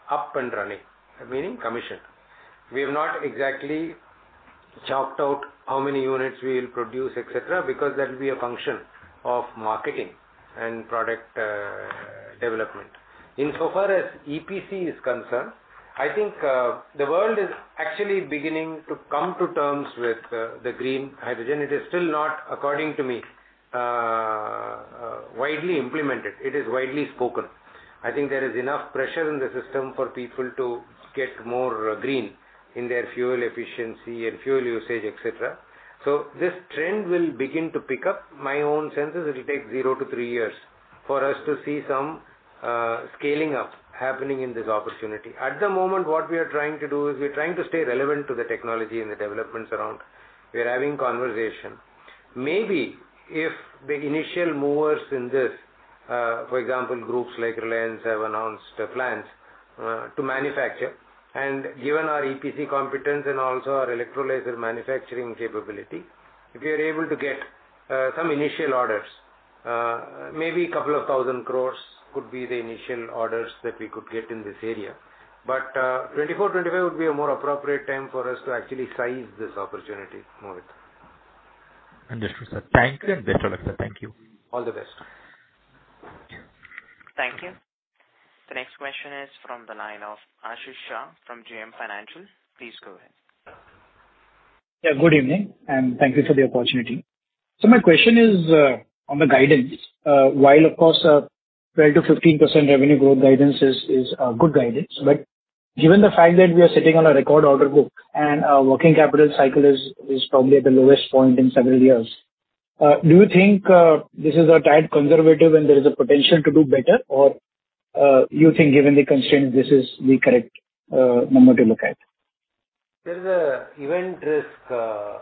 up and running, meaning commissioned. We have not exactly chalked out how many units we will produce, et cetera, because that will be a function of marketing and product development. Insofar as EPC is concerned, I think, the world is actually beginning to come to terms with the green hydrogen. It is still not, according to me, widely implemented. It is widely spoken. I think there is enough pressure in the system for people to get more green in their fuel efficiency and fuel usage, et cetera. This trend will begin to pick up. My own sense is it'll take 0 to 3 years for us to see some scaling up happening in this opportunity. At the moment, what we are trying to do is we're trying to stay relevant to the technology and the developments around. We are having conversation. Maybe if the initial movers in this, for example, groups like Reliance have announced plans to manufacture, and given our EPC competence and also our electrolyzer manufacturing capability, if we are able to get some initial orders, maybe couple of 1,000 crore could be the initial orders that we could get in this area. 2024, 2025 would be a more appropriate time for us to actually seize this opportunity, Mohit. Understood, sir. Thank you. Best of luck, sir. Thank you. All the best. Thank you. The next question is from the line of Ashish Shah from JM Financial. Please go ahead. Good evening, and thank you for the opportunity. My question is on the guidance. While of course, 12%-15% revenue growth guidance is good guidance, given the fact that we are sitting on a record order book and our working capital cycle is probably at the lowest point in several years, do you think this is a tad conservative and there is a potential to do better? You think given the constraint, this is the correct number to look at? There is a event risk,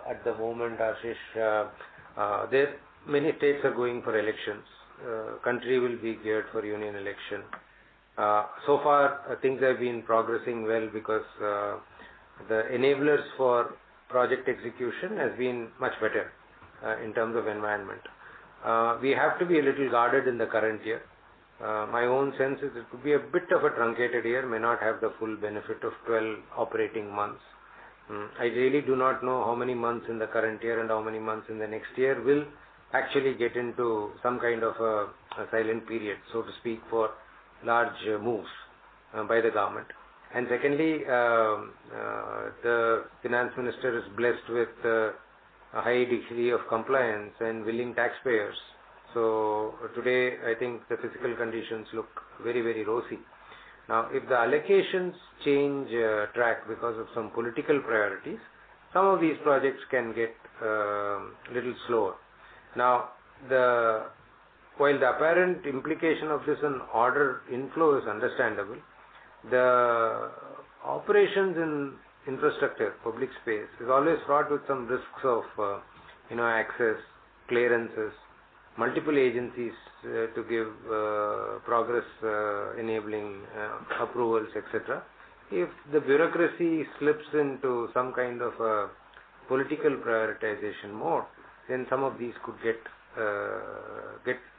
at the moment, Ashish. There's many states are going for elections. Country will be geared for union election. So far things have been progressing well because, the enablers for project execution has been much better, in terms of environment. We have to be a little guarded in the current year. My own sense is it could be a bit of a truncated year, may not have the full benefit of 12 operating months. I really do not know how many months in the current year and how many months in the next year we'll actually get into some kind of a silent period, so to speak, for large moves, by the government. Secondly, the finance minister is blessed with a high degree of compliance and willing taxpayers. Today, I think the physical conditions look very, very rosy. If the allocations change track because of some political priorities, some of these projects can get little slower. The while the apparent implication of this in order inflow is understandable, the operations in infrastructure, public space, is always fraught with some risks of, you know, access, clearances, multiple agencies, to give progress enabling approvals, et cetera. If the bureaucracy slips into some kind of a political prioritization mode, then some of these could get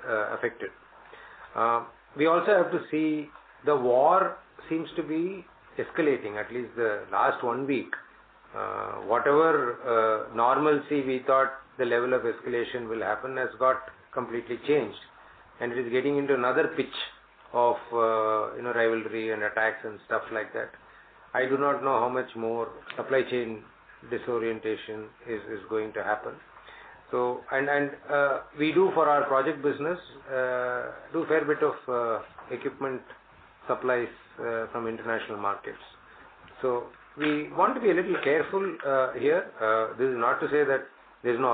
affected. We also have to see the war seems to be escalating, at least the last 1 week. Whatever normalcy we thought the level of escalation will happen has got completely changed, and it is getting into another pitch of, you know, rivalry and attacks and stuff like that. I do not know how much more supply chain disorientation is going to happen. And, and, we do for our project business, do a fair bit of equipment supplies from international markets. We want to be a little careful here. This is not to say that there's no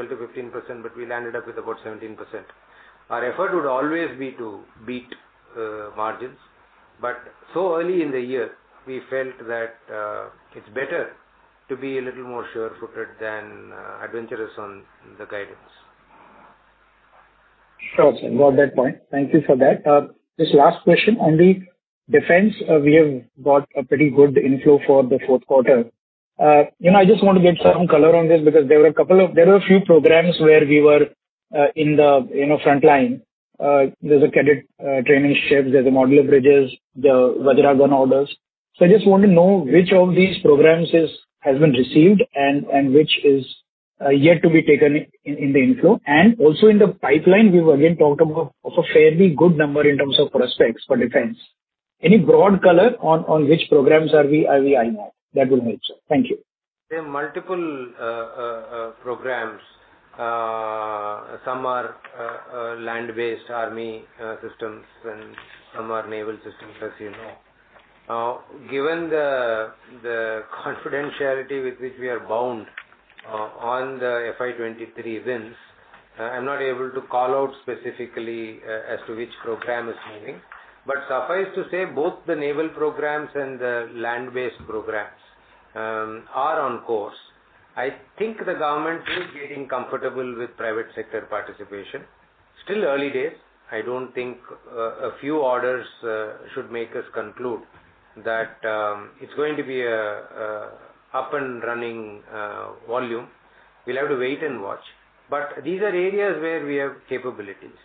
upside. For example, in the current year we said 12%-15%, but we landed up with about 17%. Our effort would always be to beat margins, but so early in the year we felt that it's better to be a little more sure-footed than adventurous on the guidance. Sure, sir. Got that point. Thank you for that. Just last question on the defense. We have got a pretty good inflow for the fourth quarter. You know, I just want to get some color on this because there were a few programs where we were, in the, you know, frontline. There's a cadet training ships, there's the modular bridges, the Vajra gun orders. I just want to know which of these programs is, has been received and which is, yet to be taken in the inflow. Also in the pipeline, we've again talked about of a fairly good number in terms of prospects for defense. Any broad color on which programs are we, are we eyeing at? That will help, sir. Thank you. There are multiple programs. Some are land-based army systems, and some are naval systems, as you know. Given the confidentiality with which we are bound on FY 2023 wins, I'm not able to call out specifically as to which program is winning. Suffice to say, both the naval programs and the land-based programs are on course. I think the government is getting comfortable with private sector participation. Still early days. I don't think a few orders should make us conclude that it's going to be a up and running volume. We'll have to wait and watch. These are areas where we have capabilities.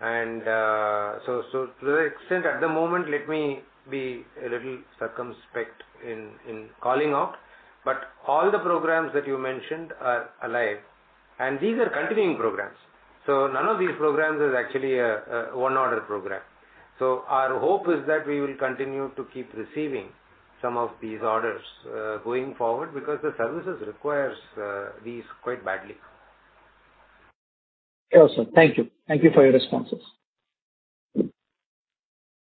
To that extent, at the moment, let me be a little circumspect in calling out, but all the programs that you mentioned are alive, and these are continuing programs. None of these programs is actually a one order program. Our hope is that we will continue to keep receiving some of these orders going forward because the services requires these quite badly. Yeah, sir. Thank you. Thank you for your responses.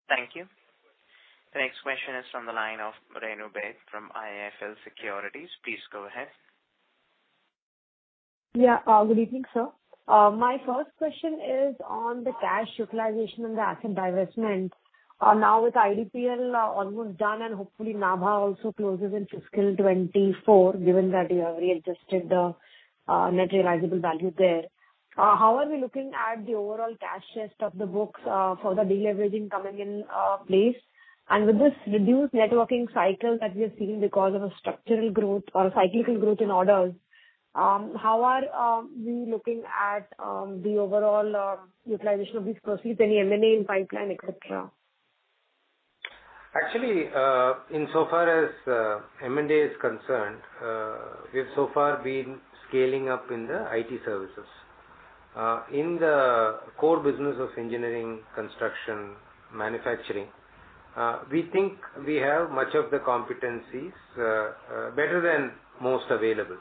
Thank you. The next question is from the line of Renu Baid from IIFL Securities. Please go ahead. Yeah. Good evening, sir. My first question is on the cash utilization and the asset divestment. Now with IDPL almost done and hopefully Nabha also closes in fiscal 24, given that you have readjusted the net realizable value there. How are we looking at the overall cash chest of the books for the de-leveraging coming in place? With this reduced networking cycle that we are seeing because of a structural growth or cyclical growth in orders, how are we looking at the overall utilization of these proceeds, any M&A in pipeline, et cetera? Actually, insofar as M&A is concerned, we have so far been scaling up in the IT services. In the core business of engineering, construction, manufacturing, we think we have much of the competencies better than most available.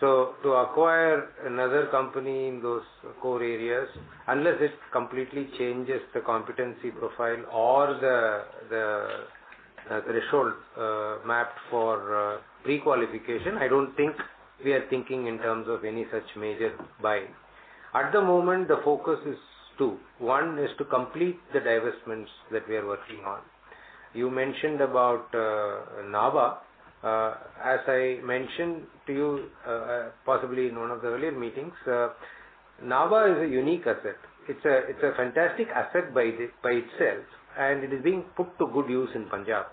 To acquire another company in those core areas, unless it completely changes the competency profile or the threshold mapped for prequalification, I don't think we are thinking in terms of any such major buying. At the moment, the focus is 2. One is to complete the divestments that we are working on. You mentioned about Nabha. As I mentioned to you, possibly in one of the earlier meetings, Nabha is a unique asset. It's a fantastic asset by it, by itself, and it is being put to good use in Punjab.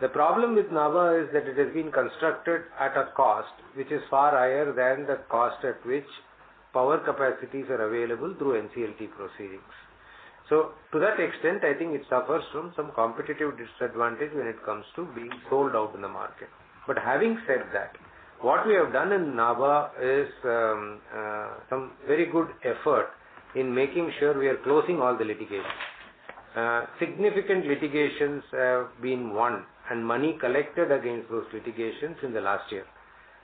The problem with Nabha is that it has been constructed at a cost which is far higher than the cost at which power capacities are available through NCLT proceedings. To that extent, I think it suffers from some competitive disadvantage when it comes to being sold out in the market. Having said that, what we have done in Nabha is some very good effort in making sure we are closing all the litigations. Significant litigations have been won and money collected against those litigations in the last year.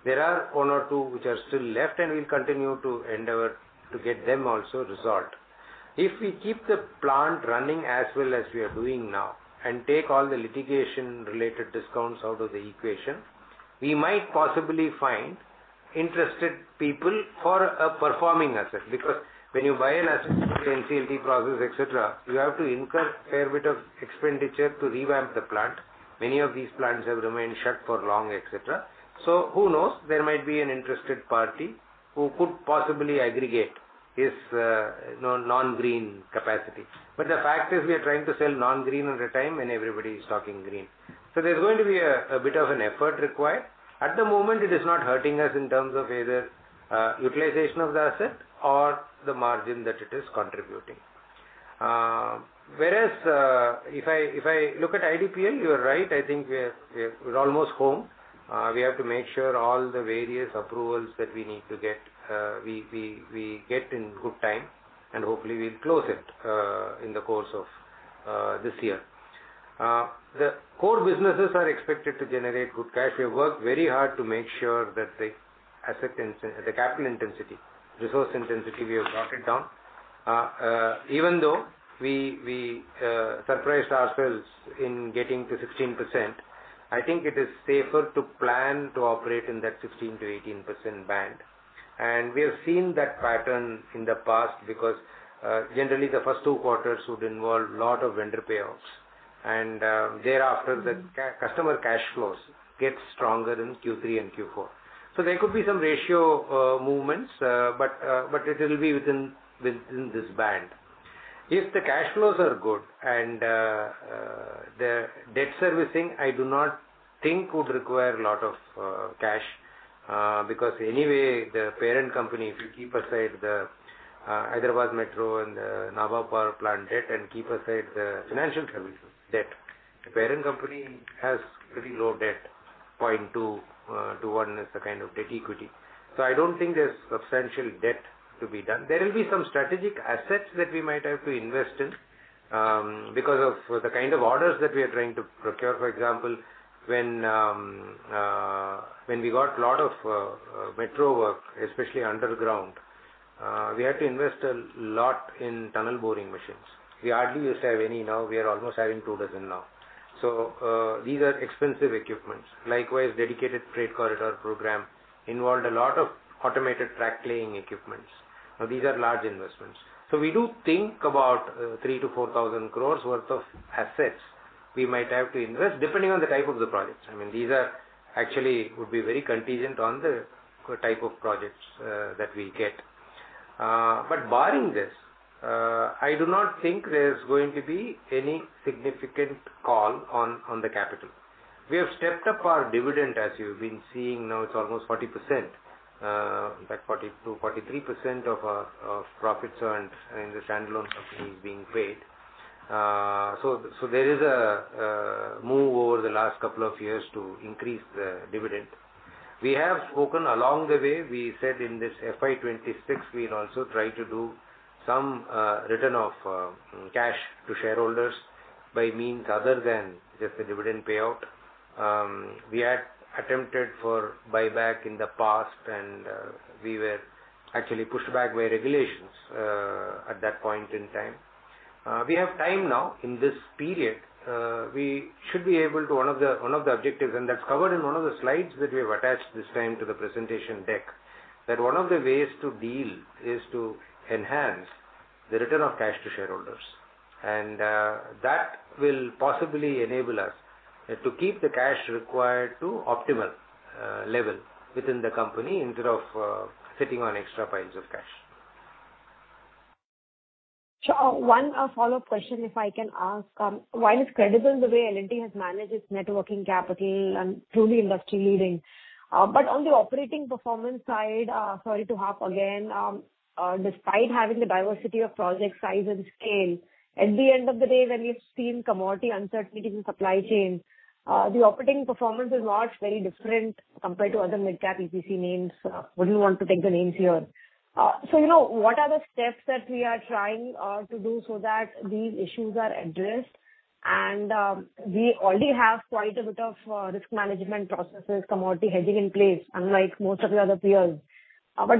There are one or two which are still left, and we'll continue to endeavor to get them also resolved. If we keep the plant running as well as we are doing now and take all the litigation related discounts out of the equation, we might possibly find interested people for a performing asset. When you buy an asset through the NCLT process, et cetera, you have to incur a fair bit of expenditure to revamp the plant. Many of these plants have remained shut for long, et cetera. Who knows, there might be an interested party who could possibly aggregate his non-green capacity. The fact is we are trying to sell non-green at a time when everybody is talking green. There's going to be a bit of an effort required. At the moment, it is not hurting us in terms of either utilization of the asset or the margin that it is contributing. Whereas, if I look at IDPL, you are right. I think we're almost home. We have to make sure all the various approvals that we need to get, we get in good time, and hopefully we'll close it in the course of this year. The core businesses are expected to generate good cash. We work very hard to make sure that the capital intensity, resource intensity, we have brought it down. Even though we surprised ourselves in getting to 16%, I think it is safer to plan to operate in that 16%-18% band. We have seen that pattern in the past because generally the first two quarters would involve lot of vendor payoffs. Thereafter, customer cash flows get stronger in Q3 and Q4. There could be some ratio movements, but it will be within this band. If the cash flows are good and the debt servicing, I do not think would require a lot of cash, because anyway, the parent company, if you keep aside the Hyderabad Metro and the Nabha Power Plant debt and keep aside the financial services debt, the parent company has very low debt, 0.2 to 1 is the kind of debt equity. I don't think there's substantial debt to be done. There will be some strategic assets that we might have to invest in because of the kind of orders that we are trying to procure. For example, when we got lot of metro work, especially underground, we had to invest a lot in tunnel boring machines. We hardly used to have any now. We are almost having two dozen now. These are expensive equipments. Likewise, Dedicated Freight Corridor program involved a lot of automated track laying equipments. Now, these are large investments. We do think about 3,000-4,000 crores worth of assets we might have to invest depending on the type of the projects. I mean, these are actually would be very contingent on the type of projects that we get. Barring this, I do not think there's going to be any significant call on the capital. We have stepped up our dividend, as you've been seeing now, it's almost 40%, in fact 42%-43% of profits earned in the standalone company is being paid. There is a move over the last couple of years to increase the dividend. We have spoken along the way. We said in FY 2026, we'll also try to do some return of cash to shareholders by means other than just the dividend payout. We had attempted for buyback in the past, we were actually pushed back by regulations at that point in time. We have time now in this period, we should be able to one of the objectives, that's covered in one of the slides that we have attached this time to the presentation deck, that one of the ways to deal is to enhance the return of cash to shareholders. That will possibly enable us to keep the cash required to optimal level within the company instead of sitting on extra piles of cash. Sure. One follow-up question, if I can ask. While it's credible the way L&T has managed its net working capital and truly industry leading, on the operating performance side, sorry to harp again, despite having the diversity of project size and scale, at the end of the day, when you've seen commodity uncertainties in supply chain, the operating performance is not very different compared to other mid-cap EPC names. Wouldn't want to take the names here. You know, what are the steps that we are trying to do so that these issues are addressed? We already have quite a bit of risk management processes, commodity hedging in place, unlike most of the other peers. Where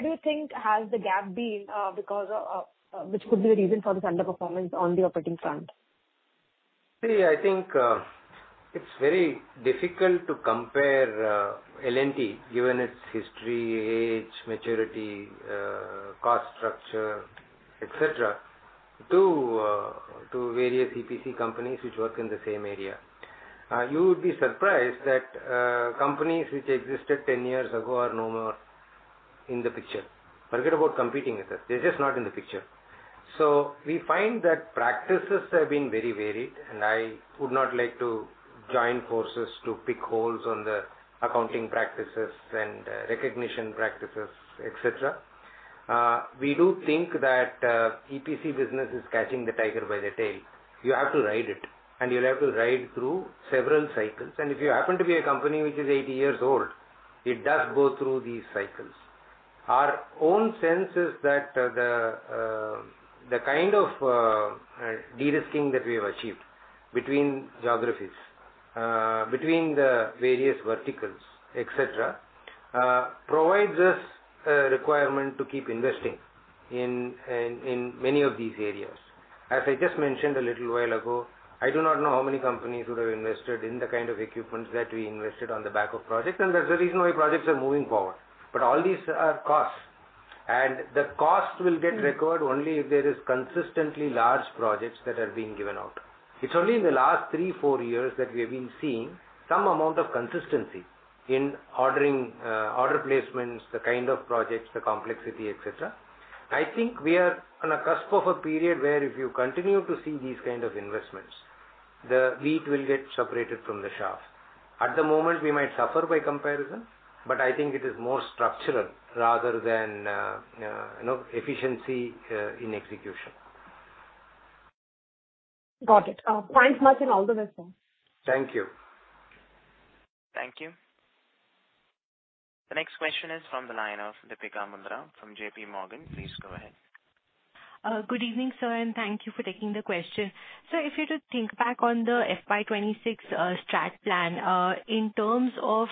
do you think has the gap been, because of, which could be the reason for this underperformance on the operating front? See, I think, it's very difficult to compare L&T, given its history, age, maturity, cost structure, et cetera, to various EPC companies which work in the same area. You would be surprised that companies which existed 10 years ago are no more in the picture. Forget about competing with us. They're just not in the picture. We find that practices have been very varied, and I would not like to join forces to pick holes on the accounting practices and recognition practices, et cetera. We do think that EPC business is catching the tiger by the tail. You have to ride it, and you'll have to ride through several cycles. If you happen to be a company which is 80 years old, it does go through these cycles. Our own sense is that the kind of de-risking that we have achieved between geographies, between the various verticals, et cetera, provides us a requirement to keep investing in many of these areas. As I just mentioned a little while ago, I do not know how many companies would have invested in the kind of equipments that we invested on the back of projects, and that's the reason why projects are moving forward. All these are costs. The cost will get recovered only if there is consistently large projects that are being given out. It's only in the last three, four years that we have been seeing some amount of consistency in ordering, order placements, the kind of projects, the complexity, et cetera. I think we are on a cusp of a period where if you continue to see these kind of investments, the wheat will get separated from the chaff. At the moment, we might suffer by comparison, but I think it is more structural rather than, you know, efficiency in execution. Got it. Thanks much, and all the best, sir. Thank you. Thank you. The next question is from the line of Deepika Mundra from J.P. Morgan. Please go ahead. Good evening, sir, and thank you for taking the question. Sir, if you just think back on the FY 2026, strat plan, in terms of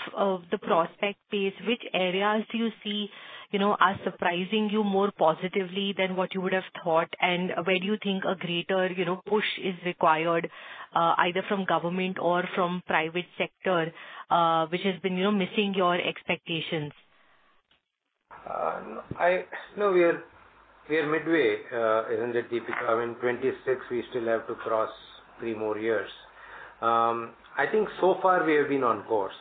the prospect pace, which areas do you see, you know, are surprising you more positively than what you would have thought? Where do you think a greater, you know, push is required, either from government or from private sector, which has been, you know, missing your expectations? No, we are, we are midway, isn't it, Deepika? I mean, 2026, we still have to cross three more years. I think so far we have been on course.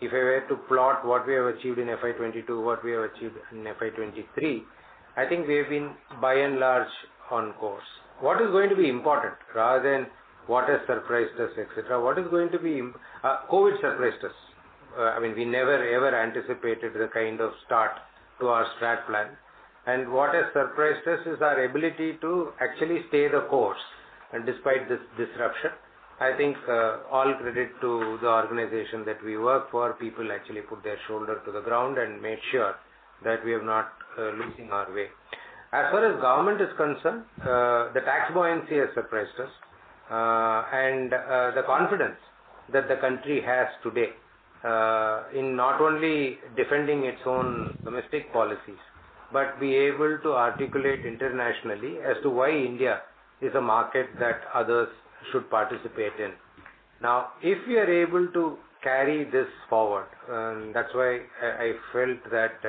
If I were to plot what we have achieved in FY 2022, what we have achieved in FY 2023, I think we have been by and large on course. What is going to be important rather than what has surprised us, et cetera, COVID surprised us. I mean, we never ever anticipated the kind of start to our strat plan. What has surprised us is our ability to actually stay the course and despite this disruption. I think, all credit to the organization that we work for, people actually put their shoulder to the ground and made sure that we are not losing our way. As far as government is concerned, the tax buoyancy has surprised us. The confidence that the country has today, in not only defending its own domestic policies, but be able to articulate internationally as to why India is a market that others should participate in. If we are able to carry this forward, that's why I felt that,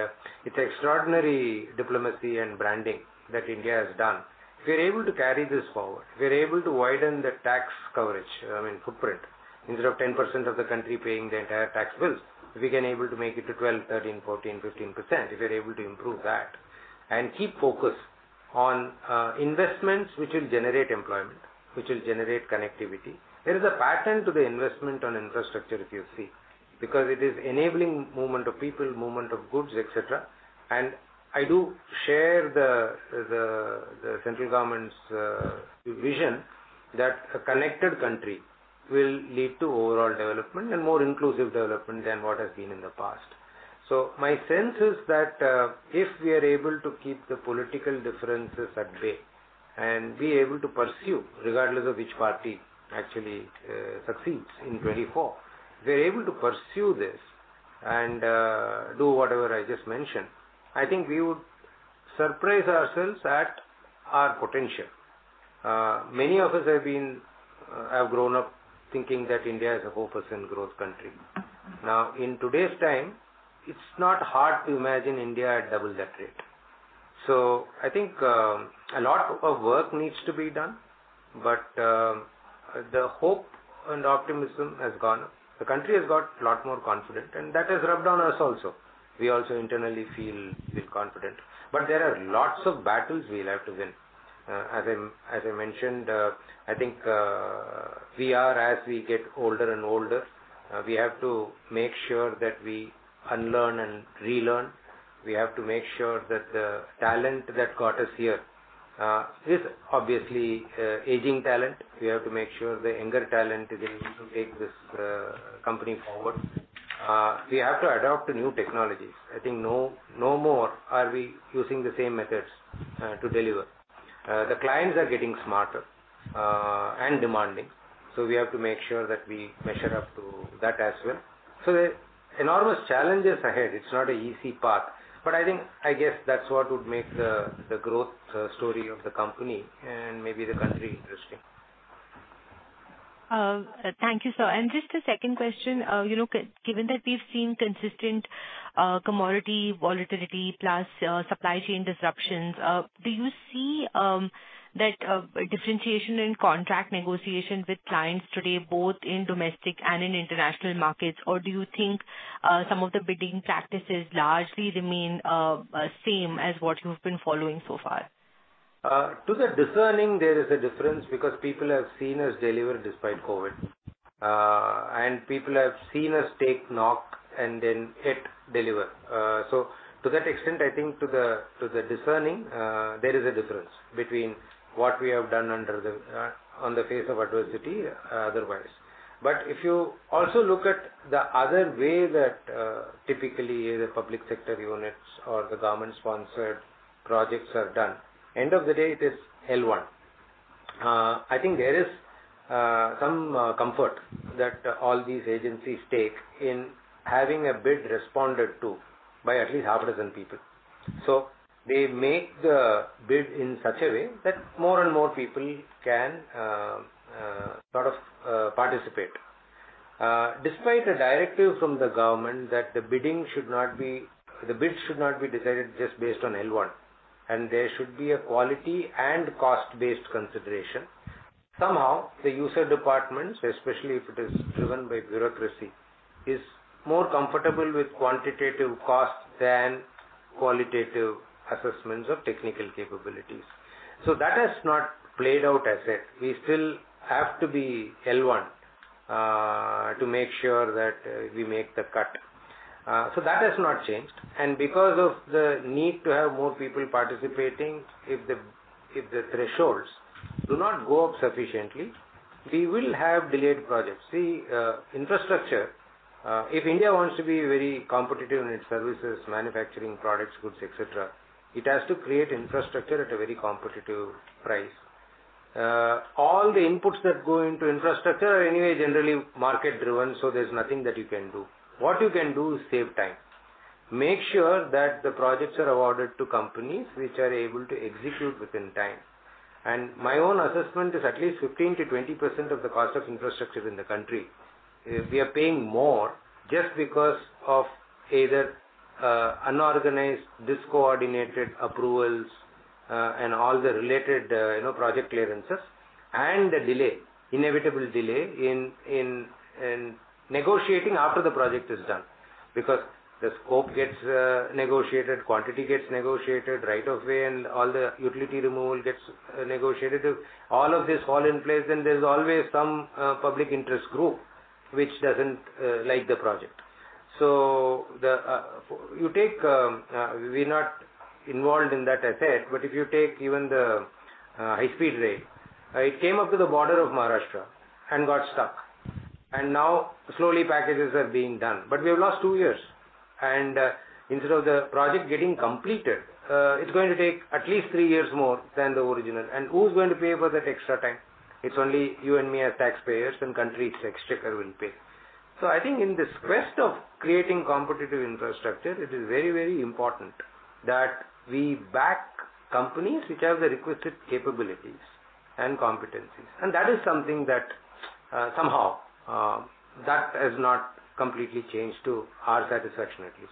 it's extraordinary diplomacy and branding that India has done. If we're able to carry this forward, we're able to widen the tax coverage, I mean, footprint. Instead of 10% of the country paying the entire tax bills, if we can able to make it to 12%, 13%, 14%, 15%, if we're able to improve that and keep focus on, investments which will generate employment, which will generate connectivity. There is a pattern to the investment on infrastructure if you see, because it is enabling movement of people, movement of goods, et cetera. I do share the central government's vision that a connected country will lead to overall development and more inclusive development than what has been in the past. My sense is that if we are able to keep the political differences at bay and be able to pursue, regardless of which party actually succeeds in 2024, we're able to pursue this and do whatever I just mentioned. I think we would surprise ourselves at our potential. Many of us have been grown up thinking that India is a 4% growth country. Now, in today's time, it's not hard to imagine India at double that rate. I think a lot of work needs to be done, but the hope and optimism has gone. The country has got a lot more confident, and that has rubbed on us also. We also internally feel bit confident. There are lots of battles we'll have to win. As I mentioned, I think we are as we get older and older, we have to make sure that we unlearn and relearn. We have to make sure that the talent that got us here is obviously aging talent. We have to make sure the younger talent is able to take this company forward. We have to adopt new technologies. I think no more are we using the same methods to deliver. The clients are getting smarter and demanding. We have to make sure that we measure up to that as well. There enormous challenges ahead. It's not an easy path, but I think, I guess that's what would make the growth story of the company and maybe the country interesting. Thank you, sir. Just a second question. You know, given that we've seen consistent commodity volatility plus supply chain disruptions, do you see that differentiation in contract negotiations with clients today, both in domestic and in international markets? Do you think some of the bidding practices largely remain same as what you've been following so far? To the discerning there is a difference because people have seen us deliver despite COVID. People have seen us take knock and then hit deliver. To that extent, I think to the, to the discerning, there is a difference between what we have done under the, on the face of adversity, otherwise. If you also look at the other way that, typically the public sector units or the government-sponsored projects are done, end of the day it is L1. I think there is, some, comfort that all these agencies take in having a bid responded to by at least half a dozen people. They make the bid in such a way that more and more people can, sort of, participate. Despite a directive from the government that the bidding should not be. the bid should not be decided just based on L1, and there should be a quality and cost-based consideration, somehow the user departments, especially if it is driven by bureaucracy, is more comfortable with quantitative costs than qualitative assessments of technical capabilities. That has not played out as yet. We still have to be L1 to make sure that we make the cut. That has not changed. Because of the need to have more people participating, if the, if the thresholds do not go up sufficiently, we will have delayed projects. See, infrastructure, if India wants to be very competitive in its services, manufacturing products, goods, et cetera, it has to create infrastructure at a very competitive price. All the inputs that go into infrastructure are anyway generally market-driven, so there's nothing that you can do. What you can do is save time. Make sure that the projects are awarded to companies which are able to execute within time. My own assessment is at least 15%-20% of the cost of infrastructure in the country, we are paying more just because of either unorganized, discoordinated approvals, and all the related, you know, project clearances and the delay, inevitable delay in negotiating after the project is done. The scope gets negotiated, quantity gets negotiated, right of way and all the utility removal gets negotiated. If all of this fall in place, then there's always some public interest group which doesn't like the project. The, you take, we're not involved in that asset, but if you take even the high-speed rail, it came up to the border of Maharashtra and got stuck. Now slowly packages are being done. We have lost two years. Instead of the project getting completed, it's going to take at least three years more than the original. Who's going to pay for that extra time? It's only you and me as taxpayers and country's exchequer will pay. I think in this quest of creating competitive infrastructure, it is very, very important that we back companies which have the requisite capabilities and competencies. That is something that somehow that has not completely changed to our satisfaction at least.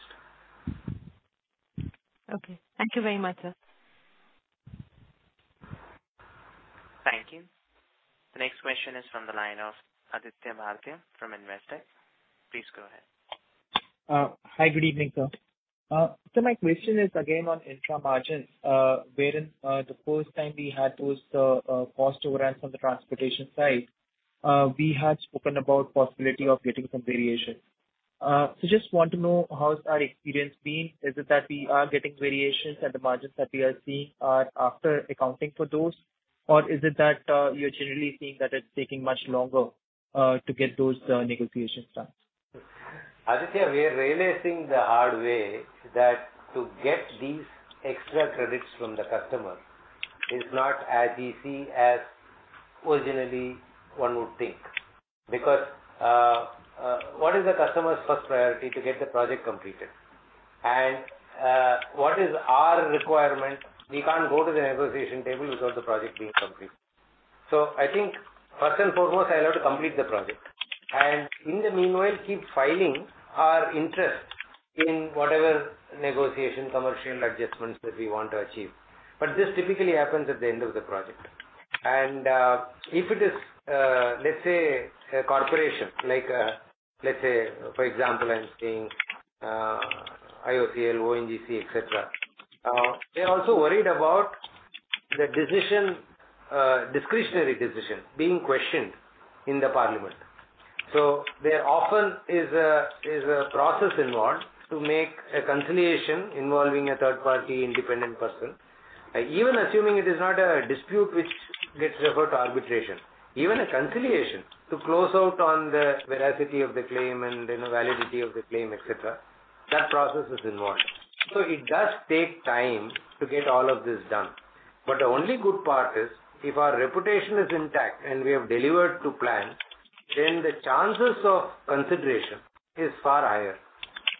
Okay. Thank you very much, sir. Thank you. The next question is from the line of Aditya Bhartia from Investec. Please go ahead. Hi. Good evening, sir. My question is again on intra margins, wherein the first time we had those cost overruns on the transportation side, we had spoken about possibility of getting some variations. Just want to know how has our experience been. Is it that we are getting variations and the margins that we are seeing are after accounting for those? Or is it that you're generally seeing that it's taking much longer to get those negotiations done? Aditya, we are realizing the hard way that to get these extra credits from the customer is not as easy as originally one would think. What is the customer's first priority? To get the project completed. What is our requirement? We can't go to the negotiation table without the project being completed. I think first and foremost, I'll have to complete the project, and in the meanwhile, keep filing our interest in whatever negotiation, commercial adjustments that we want to achieve. This typically happens at the end of the project. If it is, let's say a corporation like, let's say for example, I'm saying, IOCL, ONGC, et cetera, they're also worried about the decision, discretionary decision being questioned in the parliament. There often is a process involved to make a conciliation involving a third party independent person. Even assuming it is not a dispute which gets referred to arbitration, even a conciliation to close out on the veracity of the claim and, you know, validity of the claim, et cetera, that process is involved. It does take time to get all of this done. The only good part is, if our reputation is intact and we have delivered to plan, then the chances of consideration is far higher.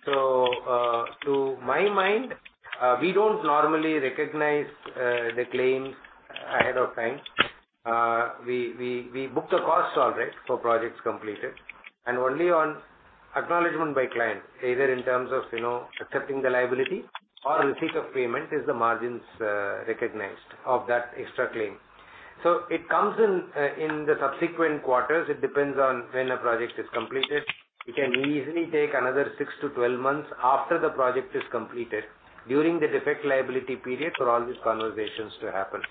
To my mind, we don't normally recognize the claims ahead of time. We book the costs already for projects completed, only on acknowledgment by client, either in terms of, you know, accepting the liability or receipt of payment, is the margins recognized of that extra claim. It comes in in the subsequent quarters. It depends on when a project is completed. It can easily take another 6 to 12 months after the project is completed during the defect liability period for all these conversations to happen.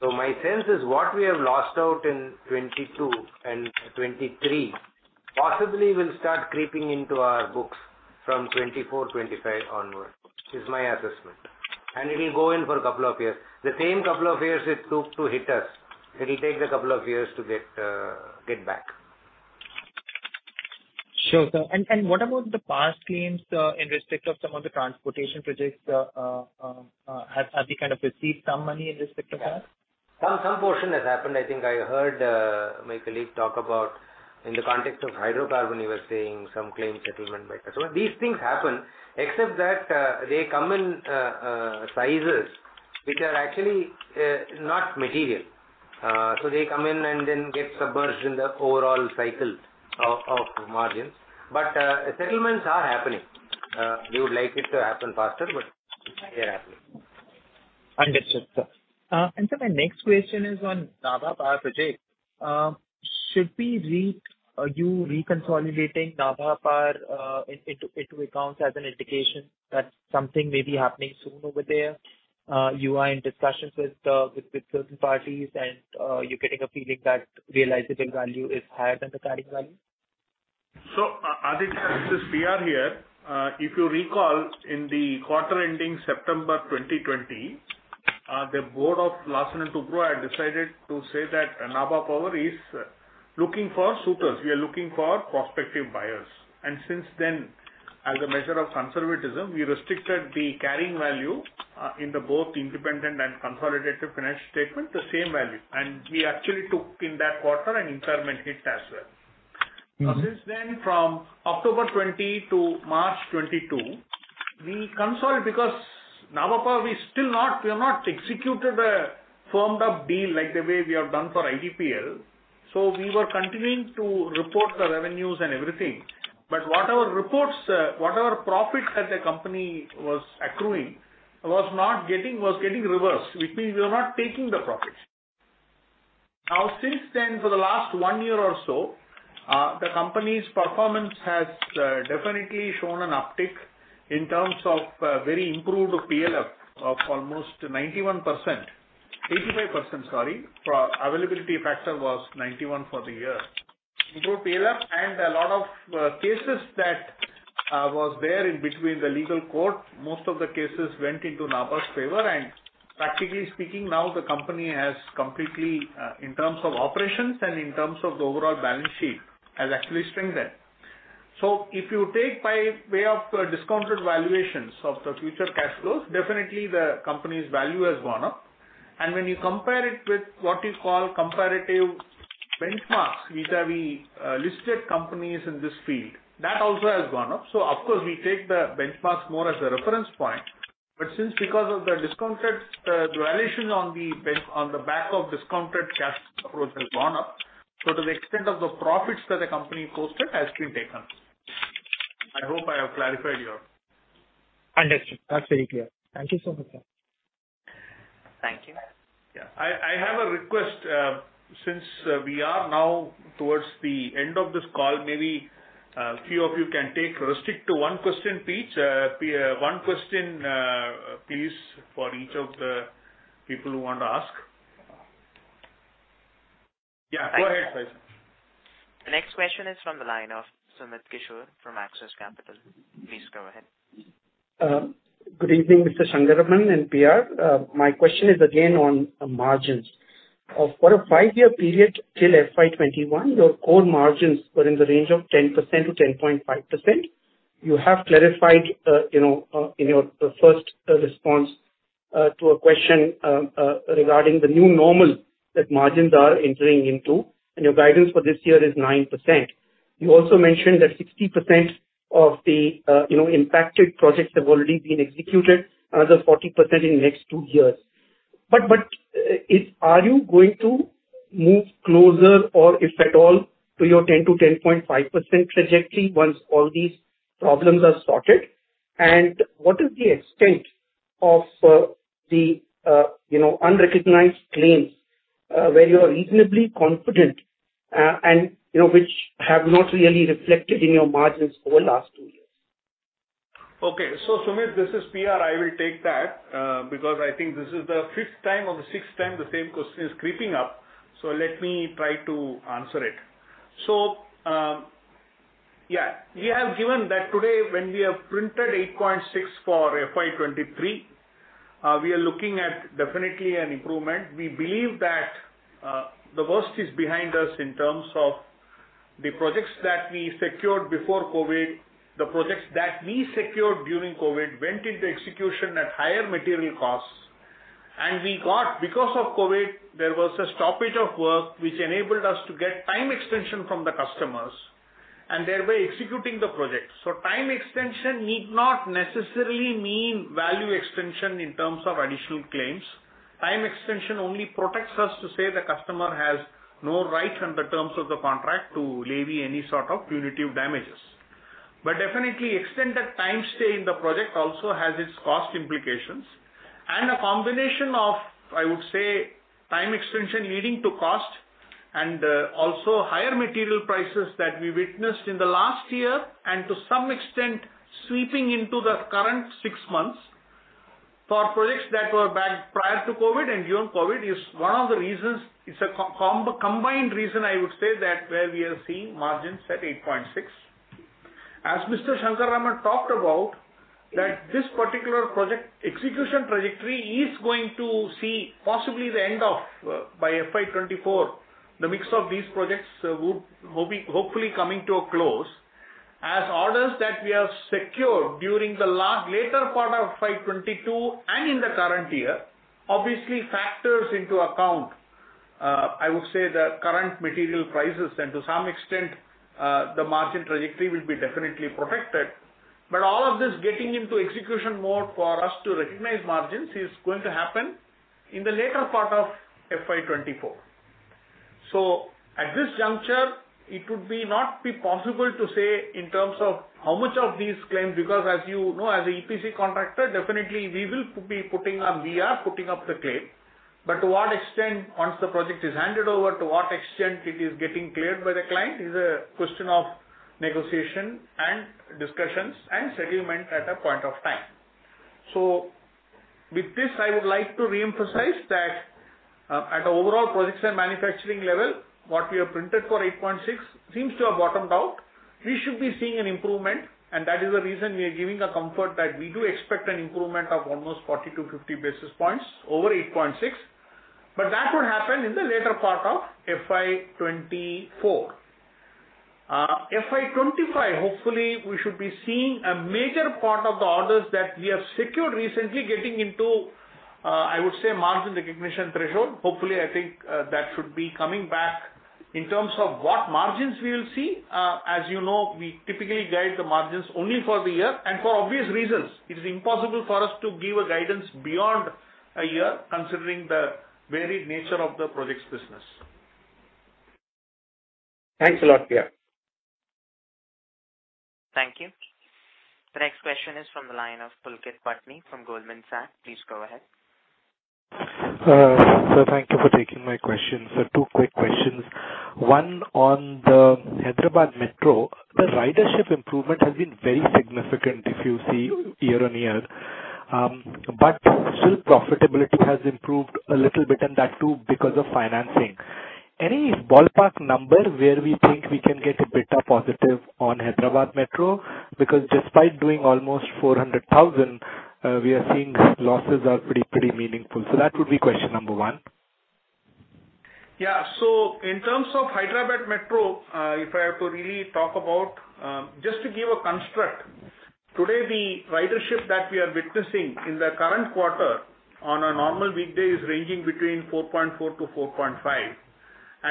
My sense is what we have lost out in 2022 and 2023 possibly will start creeping into our books from 2024, 2025 onward, which is my assessment. It'll go in for a couple of years. The same couple of years it took to hit us, it'll take the couple of years to get back. Sure, sir. What about the past claims, in respect of some of the transportation projects, have you kind of received some money in respect of that? Some portion has happened. I think I heard my colleague talk about in the context of hydrocarbon, he was saying some claim settlement by customer. These things happen except that they come in sizes which are actually not material. They come in and then get submerged in the overall cycle of margins. Settlements are happening. We would like it to happen faster, but they're happening. Understood, sir. Sir, my next question is on Nabha Power. Should we read you reconsolidating Nabha Power into accounts as an indication that something may be happening soon over there? You are in discussions with certain parties and you're getting a feeling that realizable value is higher than the carrying value? Aditya, this is PR here. If you recall, in the quarter ending September 2020, the board of Larsen & Toubro had decided to say that Nabha Power is looking for suitors. We are looking for prospective buyers. Since then, as a measure of conservatism, we restricted the carrying value, in the both independent and consolidated financial statement, the same value. We actually took in that quarter an impairment hit as well. Mm-hmm. Since then, from October 20 to March 22, we consult because Nabha Power we have not executed a firmed up deal like the way we have done for IDPL, we were continuing to report the revenues and everything. Whatever reports, whatever profit that the company was accruing was getting reversed, which means we are not taking the profits. Since then, for the last one year or so, the company's performance has definitely shown an uptick in terms of very improved PLF of almost 91%. 85%, sorry. For availability factor was 91 for the year. Improved PLF and a lot of cases that was there in between the legal court, most of the cases went into Nabha's favor. Practically speaking, now the company has completely, in terms of operations and in terms of the overall balance sheet, has actually strengthened. If you take by way of the discounted valuations of the future cash flows, definitely the company's value has gone up. When you compare it with what you call comparative benchmarks vis-à-vis, listed companies in this field, that also has gone up. Of course, we take the benchmarks more as a reference point. Since because of the discounted, valuation on the bench, on the back of discounted cash approach has gone up, so to the extent of the profits that the company posted has been taken. I hope I have clarified your- Understood. That's very clear. Thank you so much, sir. Thank you. Yeah. I have a request, since we are now towards the end of this call, maybe, few of you restrict to one question each. One question, please, for each of the people who want to ask. Yeah, go ahead, Sai. The next question is from the line of Sumit Kishore from Axis Capital. Please go ahead. Good evening, Mr. Shankar Raman and PR. My question is again on margins. For a five-year period FY 2021, your core margins were in the range of 10%-10.5%. You have clarified, you know, in your first response to a question regarding the new normal that margins are entering into, and your guidance for this year is 9%. You also mentioned that 60% of the, you know, impacted projects have already been executed, another 40% in next two years. Are you going to move closer or if at all, to your 10%-10.5% trajectory once all these problems are sorted? What is the extent of the, you know, unrecognized claims, where you are reasonably confident, and, you know, which have not really reflected in your margins over last two years? Okay. Sumit, this is PR, I will take that, because I think this is the fifth time or the sixth time the same question is creeping up. Let me try to answer it. Yeah, we have given that today when we have printed 8.6 FY 2023, we are looking at definitely an improvement. We believe that the worst is behind us in terms of the projects that we secured before COVID. The projects that we secured during COVID went into execution at higher material costs. We got, because of COVID, there was a stoppage of work which enabled us to get time extension from the customers, and thereby executing the project. Time extension need not necessarily mean value extension in terms of additional claims. Time extension only protects us to say the customer has no right under terms of the contract to levy any sort of punitive damages. But definitely extended time stay in the project also has its cost implications. A combination of, I would say, time extension leading to cost and also higher material prices that we witnessed in the last year, and to some extent sweeping into the current six months for projects that were bagged prior to COVID and during COVID, is one of the reasons. It's a combined reason I would say that where we are seeing margins at 8.6%. As Mr. Shankar Raman talked about, that this particular project execution trajectory is going to see possibly the end of FY 2024, the mix of these projects hopefully coming to a close. As orders that we have secured during the last later part FY 2022 and in the current year, obviously factors into account, I would say the current material prices and to some extent, the margin trajectory will be definitely protected. All of this getting into execution mode for us to recognize margins is going to happen in the later part FY 2024. At this juncture, it would be not be possible to say in terms of how much of these claims, because as you know, as a EPC contractor, definitely we are putting up the claim. To what extent, once the project is handed over, to what extent it is getting cleared by the client is a question of negotiation and discussions and settlement at a point of time. With this, I would like to reemphasize that, at the overall projects and manufacturing level, what we have printed for 8.6% seems to have bottomed out. We should be seeing an improvement, and that is the reason we are giving a comfort that we do expect an improvement of almost 40-50 basis points over 8.6%. That would happen in the later part FY 2025, hopefully, we should be seeing a major part of the orders that we have secured recently getting into, I would say margin recognition threshold. Hopefully, I think, that should be coming back. In terms of what margins we will see, as you know, we typically guide the margins only for the year. For obvious reasons, it is impossible for us to give a guidance beyond a year considering the varied nature of the projects business. Thanks a lot, PR. Thank you. The next question is from the line of Pulkit Patni from Goldman Sachs. Please go ahead. Sir, thank you for taking my question. Two quick questions. One on the Hyderabad Metro. The ridership improvement has been very significant if you see year on year. Still profitability has improved a little bit on that too because of financing. Any ballpark number where we think we can get a bit of positive on Hyderabad Metro? Despite doing almost 400,000, we are seeing losses are pretty meaningful. That would be question number one. Yeah. In terms of Hyderabad Metro, if I have to really talk about, just to give a construct, today the ridership that we are witnessing in the current quarter on a normal weekday is ranging between 4.4-4.5.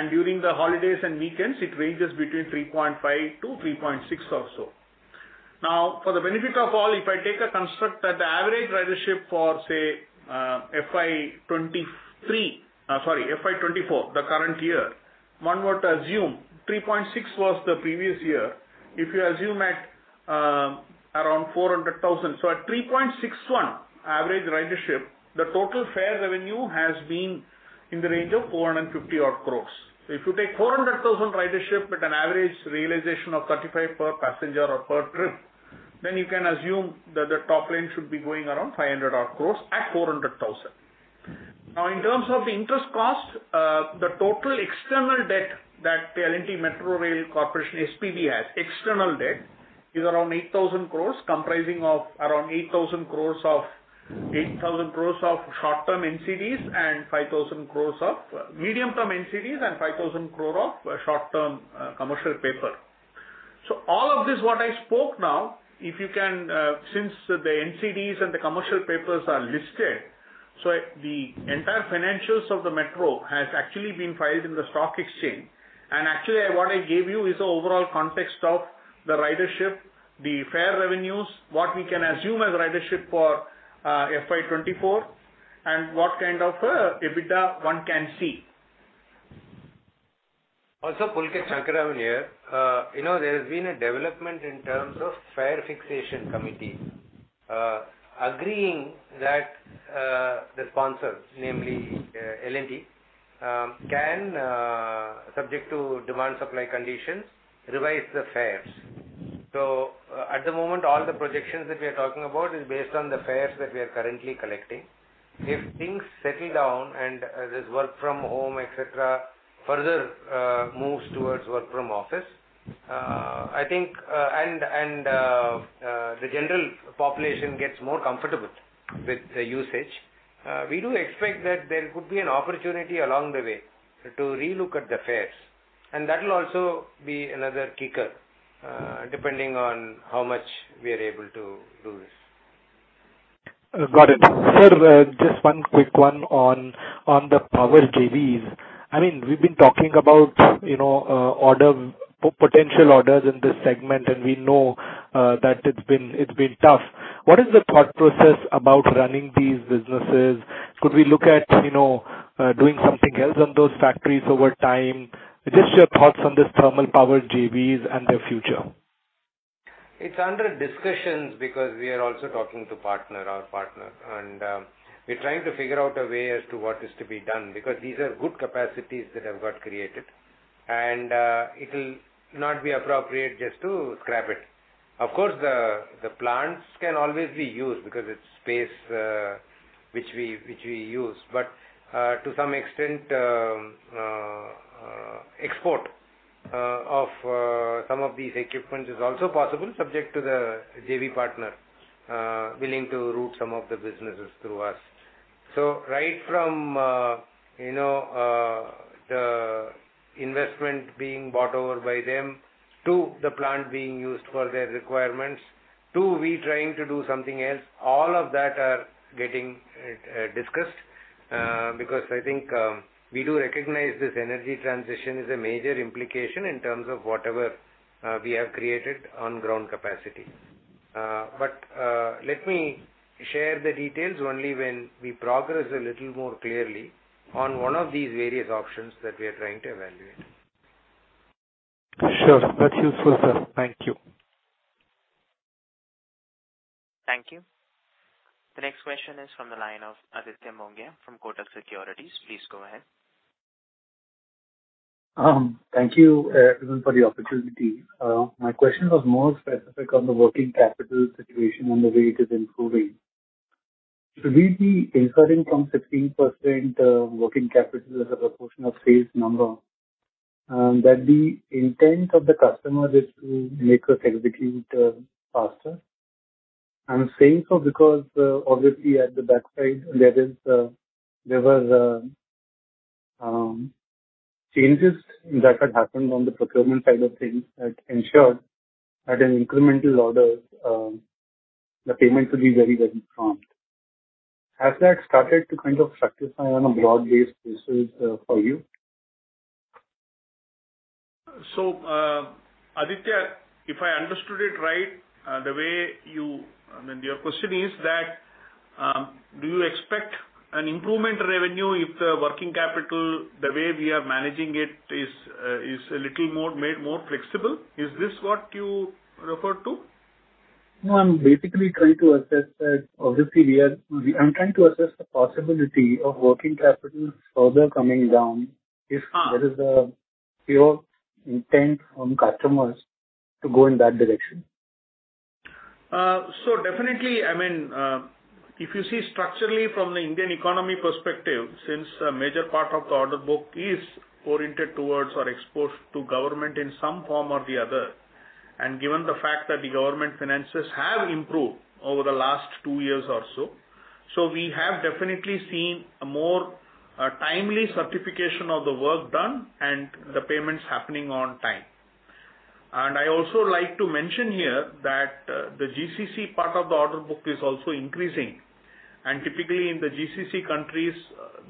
During the holidays and weekends, it ranges between 3.5-3.6 or so. For the benefit of all, if I take a construct that the average ridership for FY 2024, the current year, one were to assume 3.6 was the previous year. If you assume at around 400,000. At 3.61 average ridership, the total fare revenue has been in the range of 450 odd crores. If you take 400,000 ridership at an average realization of 35 per passenger or per trip, you can assume that the top line should be going around 500 odd crores at 400,000. In terms of the interest cost, the total external debt that L&T Metro Rail Corporation SPV has, external debt, is around 8,000 crores, comprising of around 8,000 crores of short-term NCDs and 5,000 crores of medium-term NCDs and 5,000 crore of short-term commercial paper. All of this what I spoke now, if you can, since the NCDs and the commercial papers are listed, the entire financials of the metro has actually been filed in the stock exchange. Actually what I gave you is the overall context of the ridership, the fare revenues, what we can assume as ridership for FY 2024, and what kind of EBITDA one can see. Pulkit, Shankar Raman here. You know, there has been a development in terms of fare fixation committee agreeing that the sponsors, namely, L&T, can subject to demand-supply conditions, revise the fares. At the moment, all the projections that we are talking about is based on the fares that we are currently collecting. If things settle down and this work from home, etc., further moves towards work from office, I think, and the general population gets more comfortable with the usage, we do expect that there could be an opportunity along the way to relook at the fares. That will also be another kicker, depending on how much we are able to do this. Got it. Sir, just one quick one on the power JVs. I mean, we've been talking about, you know, potential orders in this segment, and we know that it's been tough. What is the thought process about running these businesses? Could we look at, you know, doing something else on those factories over time? Just your thoughts on this thermal power JVs and their future. It's under discussions because we are also talking to partner, our partner, and we're trying to figure out a way as to what is to be done, because these are good capacities that have got created, and it'll not be appropriate just to scrap it. Of course, the plants can always be used because it's space which we use. To some extent, export of some of these equipment is also possible subject to the JV partner willing to route some of the businesses through us. Right from, you know, the investment being bought over by them to the plant being used for their requirements to we trying to do something else, all of that are getting discussed because I think, we do recognize this energy transition is a major implication in terms of whatever, we have created on ground capacity. Let me share the details only when we progress a little more clearly on one of these various options that we are trying to evaluate. Sure. That's useful, sir. Thank you. Thank you. The next question is from the line of Aditya Mongia from Kotak Securities. Please go ahead. Thank you, everyone for the opportunity. My question was more specific on the working capital situation and the way it is improving. Should we be inquiring from 15% working capital as a proportion of sales number? That the intent of the customer is to make us execute faster. I'm saying so because obviously at the backside there is there were changes that had happened on the procurement side of things that ensured at an incremental order, the payments will be very, very prompt. Has that started to kind of satisfy on a broad-based basis for you? Aditya, if I understood it right, I mean, your question is that, do you expect an improvement revenue if the working capital, the way we are managing it is a little more made more flexible? Is this what you refer to? No, I'm basically trying to assess that obviously I'm trying to assess the possibility of working capital further coming down. Ah. If there is a pure intent from customers to go in that direction. Definitely, I mean, if you see structurally from the Indian economy perspective, since a major part of the order book is oriented towards or exposed to government in some form or the other, and given the fact that the government finances have improved over the last two years or so we have definitely seen a more timely certification of the work done and the payments happening on time. I also like to mention here that the GCC part of the order book is also increasing. Typically in the GCC countries,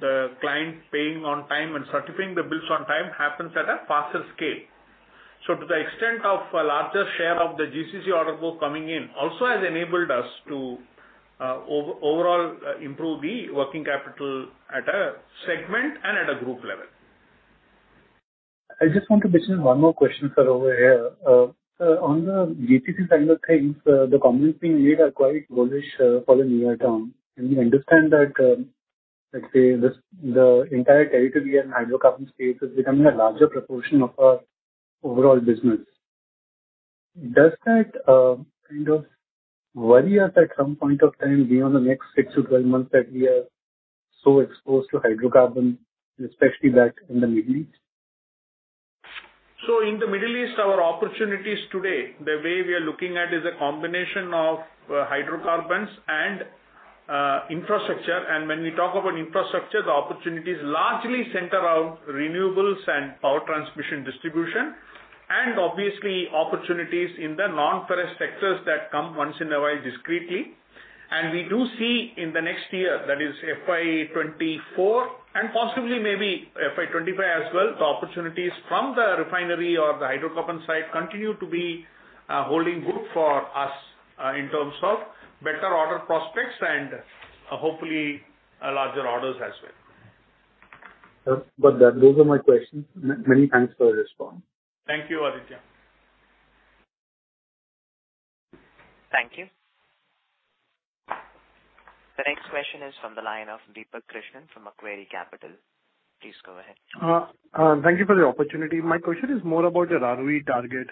the client paying on time and certifying the bills on time happens at a faster scale. To the extent of a larger share of the GCC order book coming in also has enabled us to overall improve the working capital at a segment and at a group level. I just want to pitch in one more question, sir, over here. Sir, on the GCC side of things, the comments being made are quite bullish for the near term, and we understand that, let's say, this, the entire territory and hydrocarbon space is becoming a larger proportion of our overall business. Does that kind of worry us at some point of time beyond the next 6 to 12 months that we are so exposed to hydrocarbon, especially that in the Middle East? In the Middle East, our opportunities today, the way we are looking at is a combination of hydrocarbons and infrastructure. When we talk about infrastructure, the opportunities largely center around renewables and power transmission distribution, and obviously opportunities in the non-ferrous sectors that come once in a while discreetly. We do see in the next year, that is FY 2024 and possibly maybe FY 2025 as well, the opportunities from the refinery or the hydrocarbon side continue to be holding good for us in terms of better order prospects and hopefully larger orders as well. Sir, with that, those are my questions. Many thanks for the response. Thank you, Aditya. Thank you. The next question is from the line of Deepak Krishnan from Macquarie Capital. Please go ahead. Thank you for the opportunity. My question is more about the ROE target.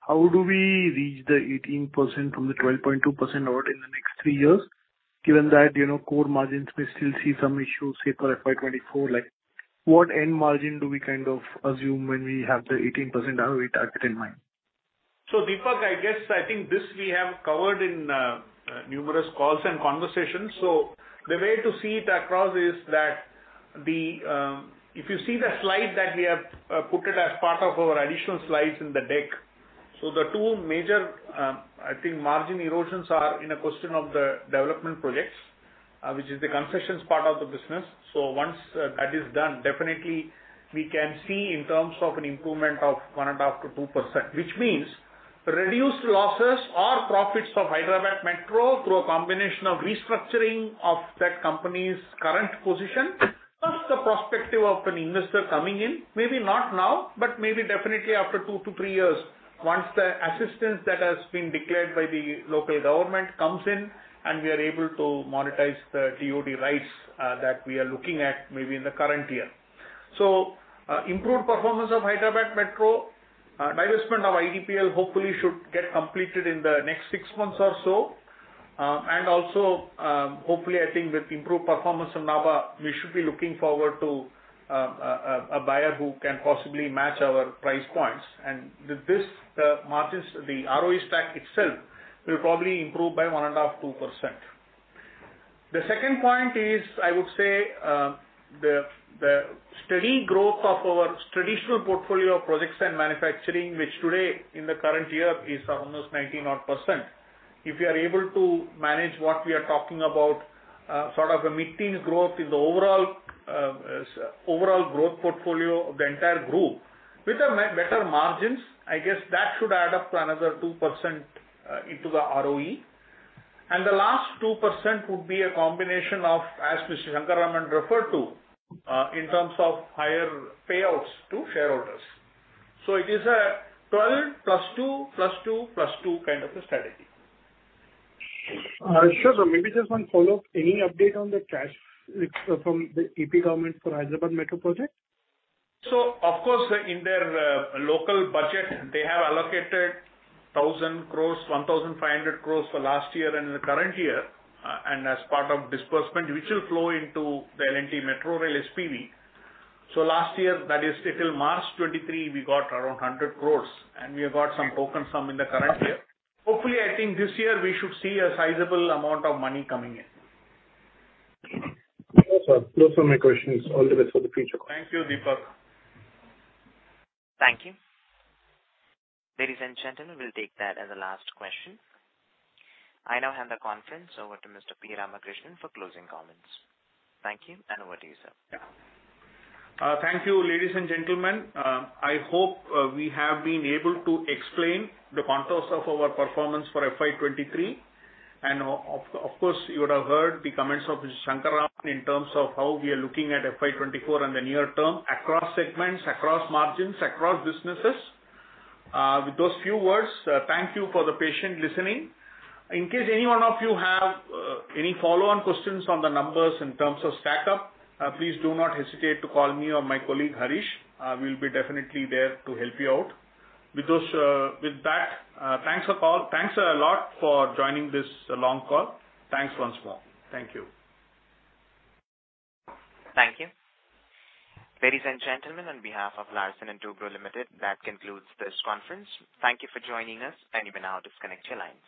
How do we reach the 18% from the 12.2% ROE in the next three years, given that, you know, core margins may still see some issues, say, FY 2024? Like, what end margin do we kind of assume when we have the 18% ROE target in mind? Deepak, I guess, I think this we have covered in numerous calls and conversations. The way to see it across is that the, if you see the slide that we have put it as part of our additional slides in the deck. The two major, I think margin erosions are in a question of the development projects, which is the concessions part of the business. Once, that is done, definitely we can see in terms of an improvement of 1.5%-2%, which means reduced losses or profits from Hyderabad Metro through a combination of restructuring of that company's current position. The prospective of an investor coming in, maybe not now, but maybe definitely after two to three years, once the assistance that has been declared by the local government comes in and we are able to monetize the TOD rights that we are looking at maybe in the current year. Improved performance of Hyderabad Metro, divestment of IDPL hopefully should get completed in the next six months or so. Hopefully, I think with improved performance of Nabha, we should be looking forward to a buyer who can possibly match our price points. With this, the margins, the ROE stack itself will probably improve by 1.5%-2%. The second point is, I would say, the steady growth of our traditional portfolio of projects and manufacturing, which today in the current year is almost 19% odd. If we are able to manage what we are talking about, sort of a mid-teen growth in the overall growth portfolio of the entire group with a better margins, I guess that should add up to another 2% into the ROE. The last 2% would be a combination of, as Mr. Shankar Raman referred to, in terms of higher payouts to shareholders. It is a 12+2, + 2, + 2 kind of a strategy. Sure, sir. Maybe just one follow-up. Any update on the cash from the AP government for Hyderabad Metro project? Of course, in their local budget, they have allocated 1,000 crore, 1,500 crore for last year and in the current year, and as part of disbursement, which will flow into the L&T Metro Rail SPV. Last year, that is till March 2023, we got around 100 crore and we have got some token sum in the current year. Hopefully, I think this year we should see a sizable amount of money coming in. Those are my questions. All the best for the future. Thank you, Deepak. Thank you. Ladies and gentlemen, we'll take that as the last question. I now hand the conference over to Mr. P. Ramakrishnan for closing comments. Thank you, and over to you, sir. Thank you, ladies and gentlemen. I hope we have been able to explain the contours of our performance FY 2023. Of course, you would have heard the comments of Mr. Shankar Raman in terms of how we are looking FY 2024 and the near term across segments, across margins, across businesses. With those few words, thank you for the patient listening. In case any one of you have any follow-on questions on the numbers in terms of stack-up, please do not hesitate to call me or my colleague, Harish. We'll be definitely there to help you out. With those, with that, thanks for call. Thanks a lot for joining this long call. Thanks once more. Thank you. Thank you. Ladies and gentlemen, on behalf of Larsen & Toubro Limited, that concludes this conference. Thank you for joining us, and you may now disconnect your lines.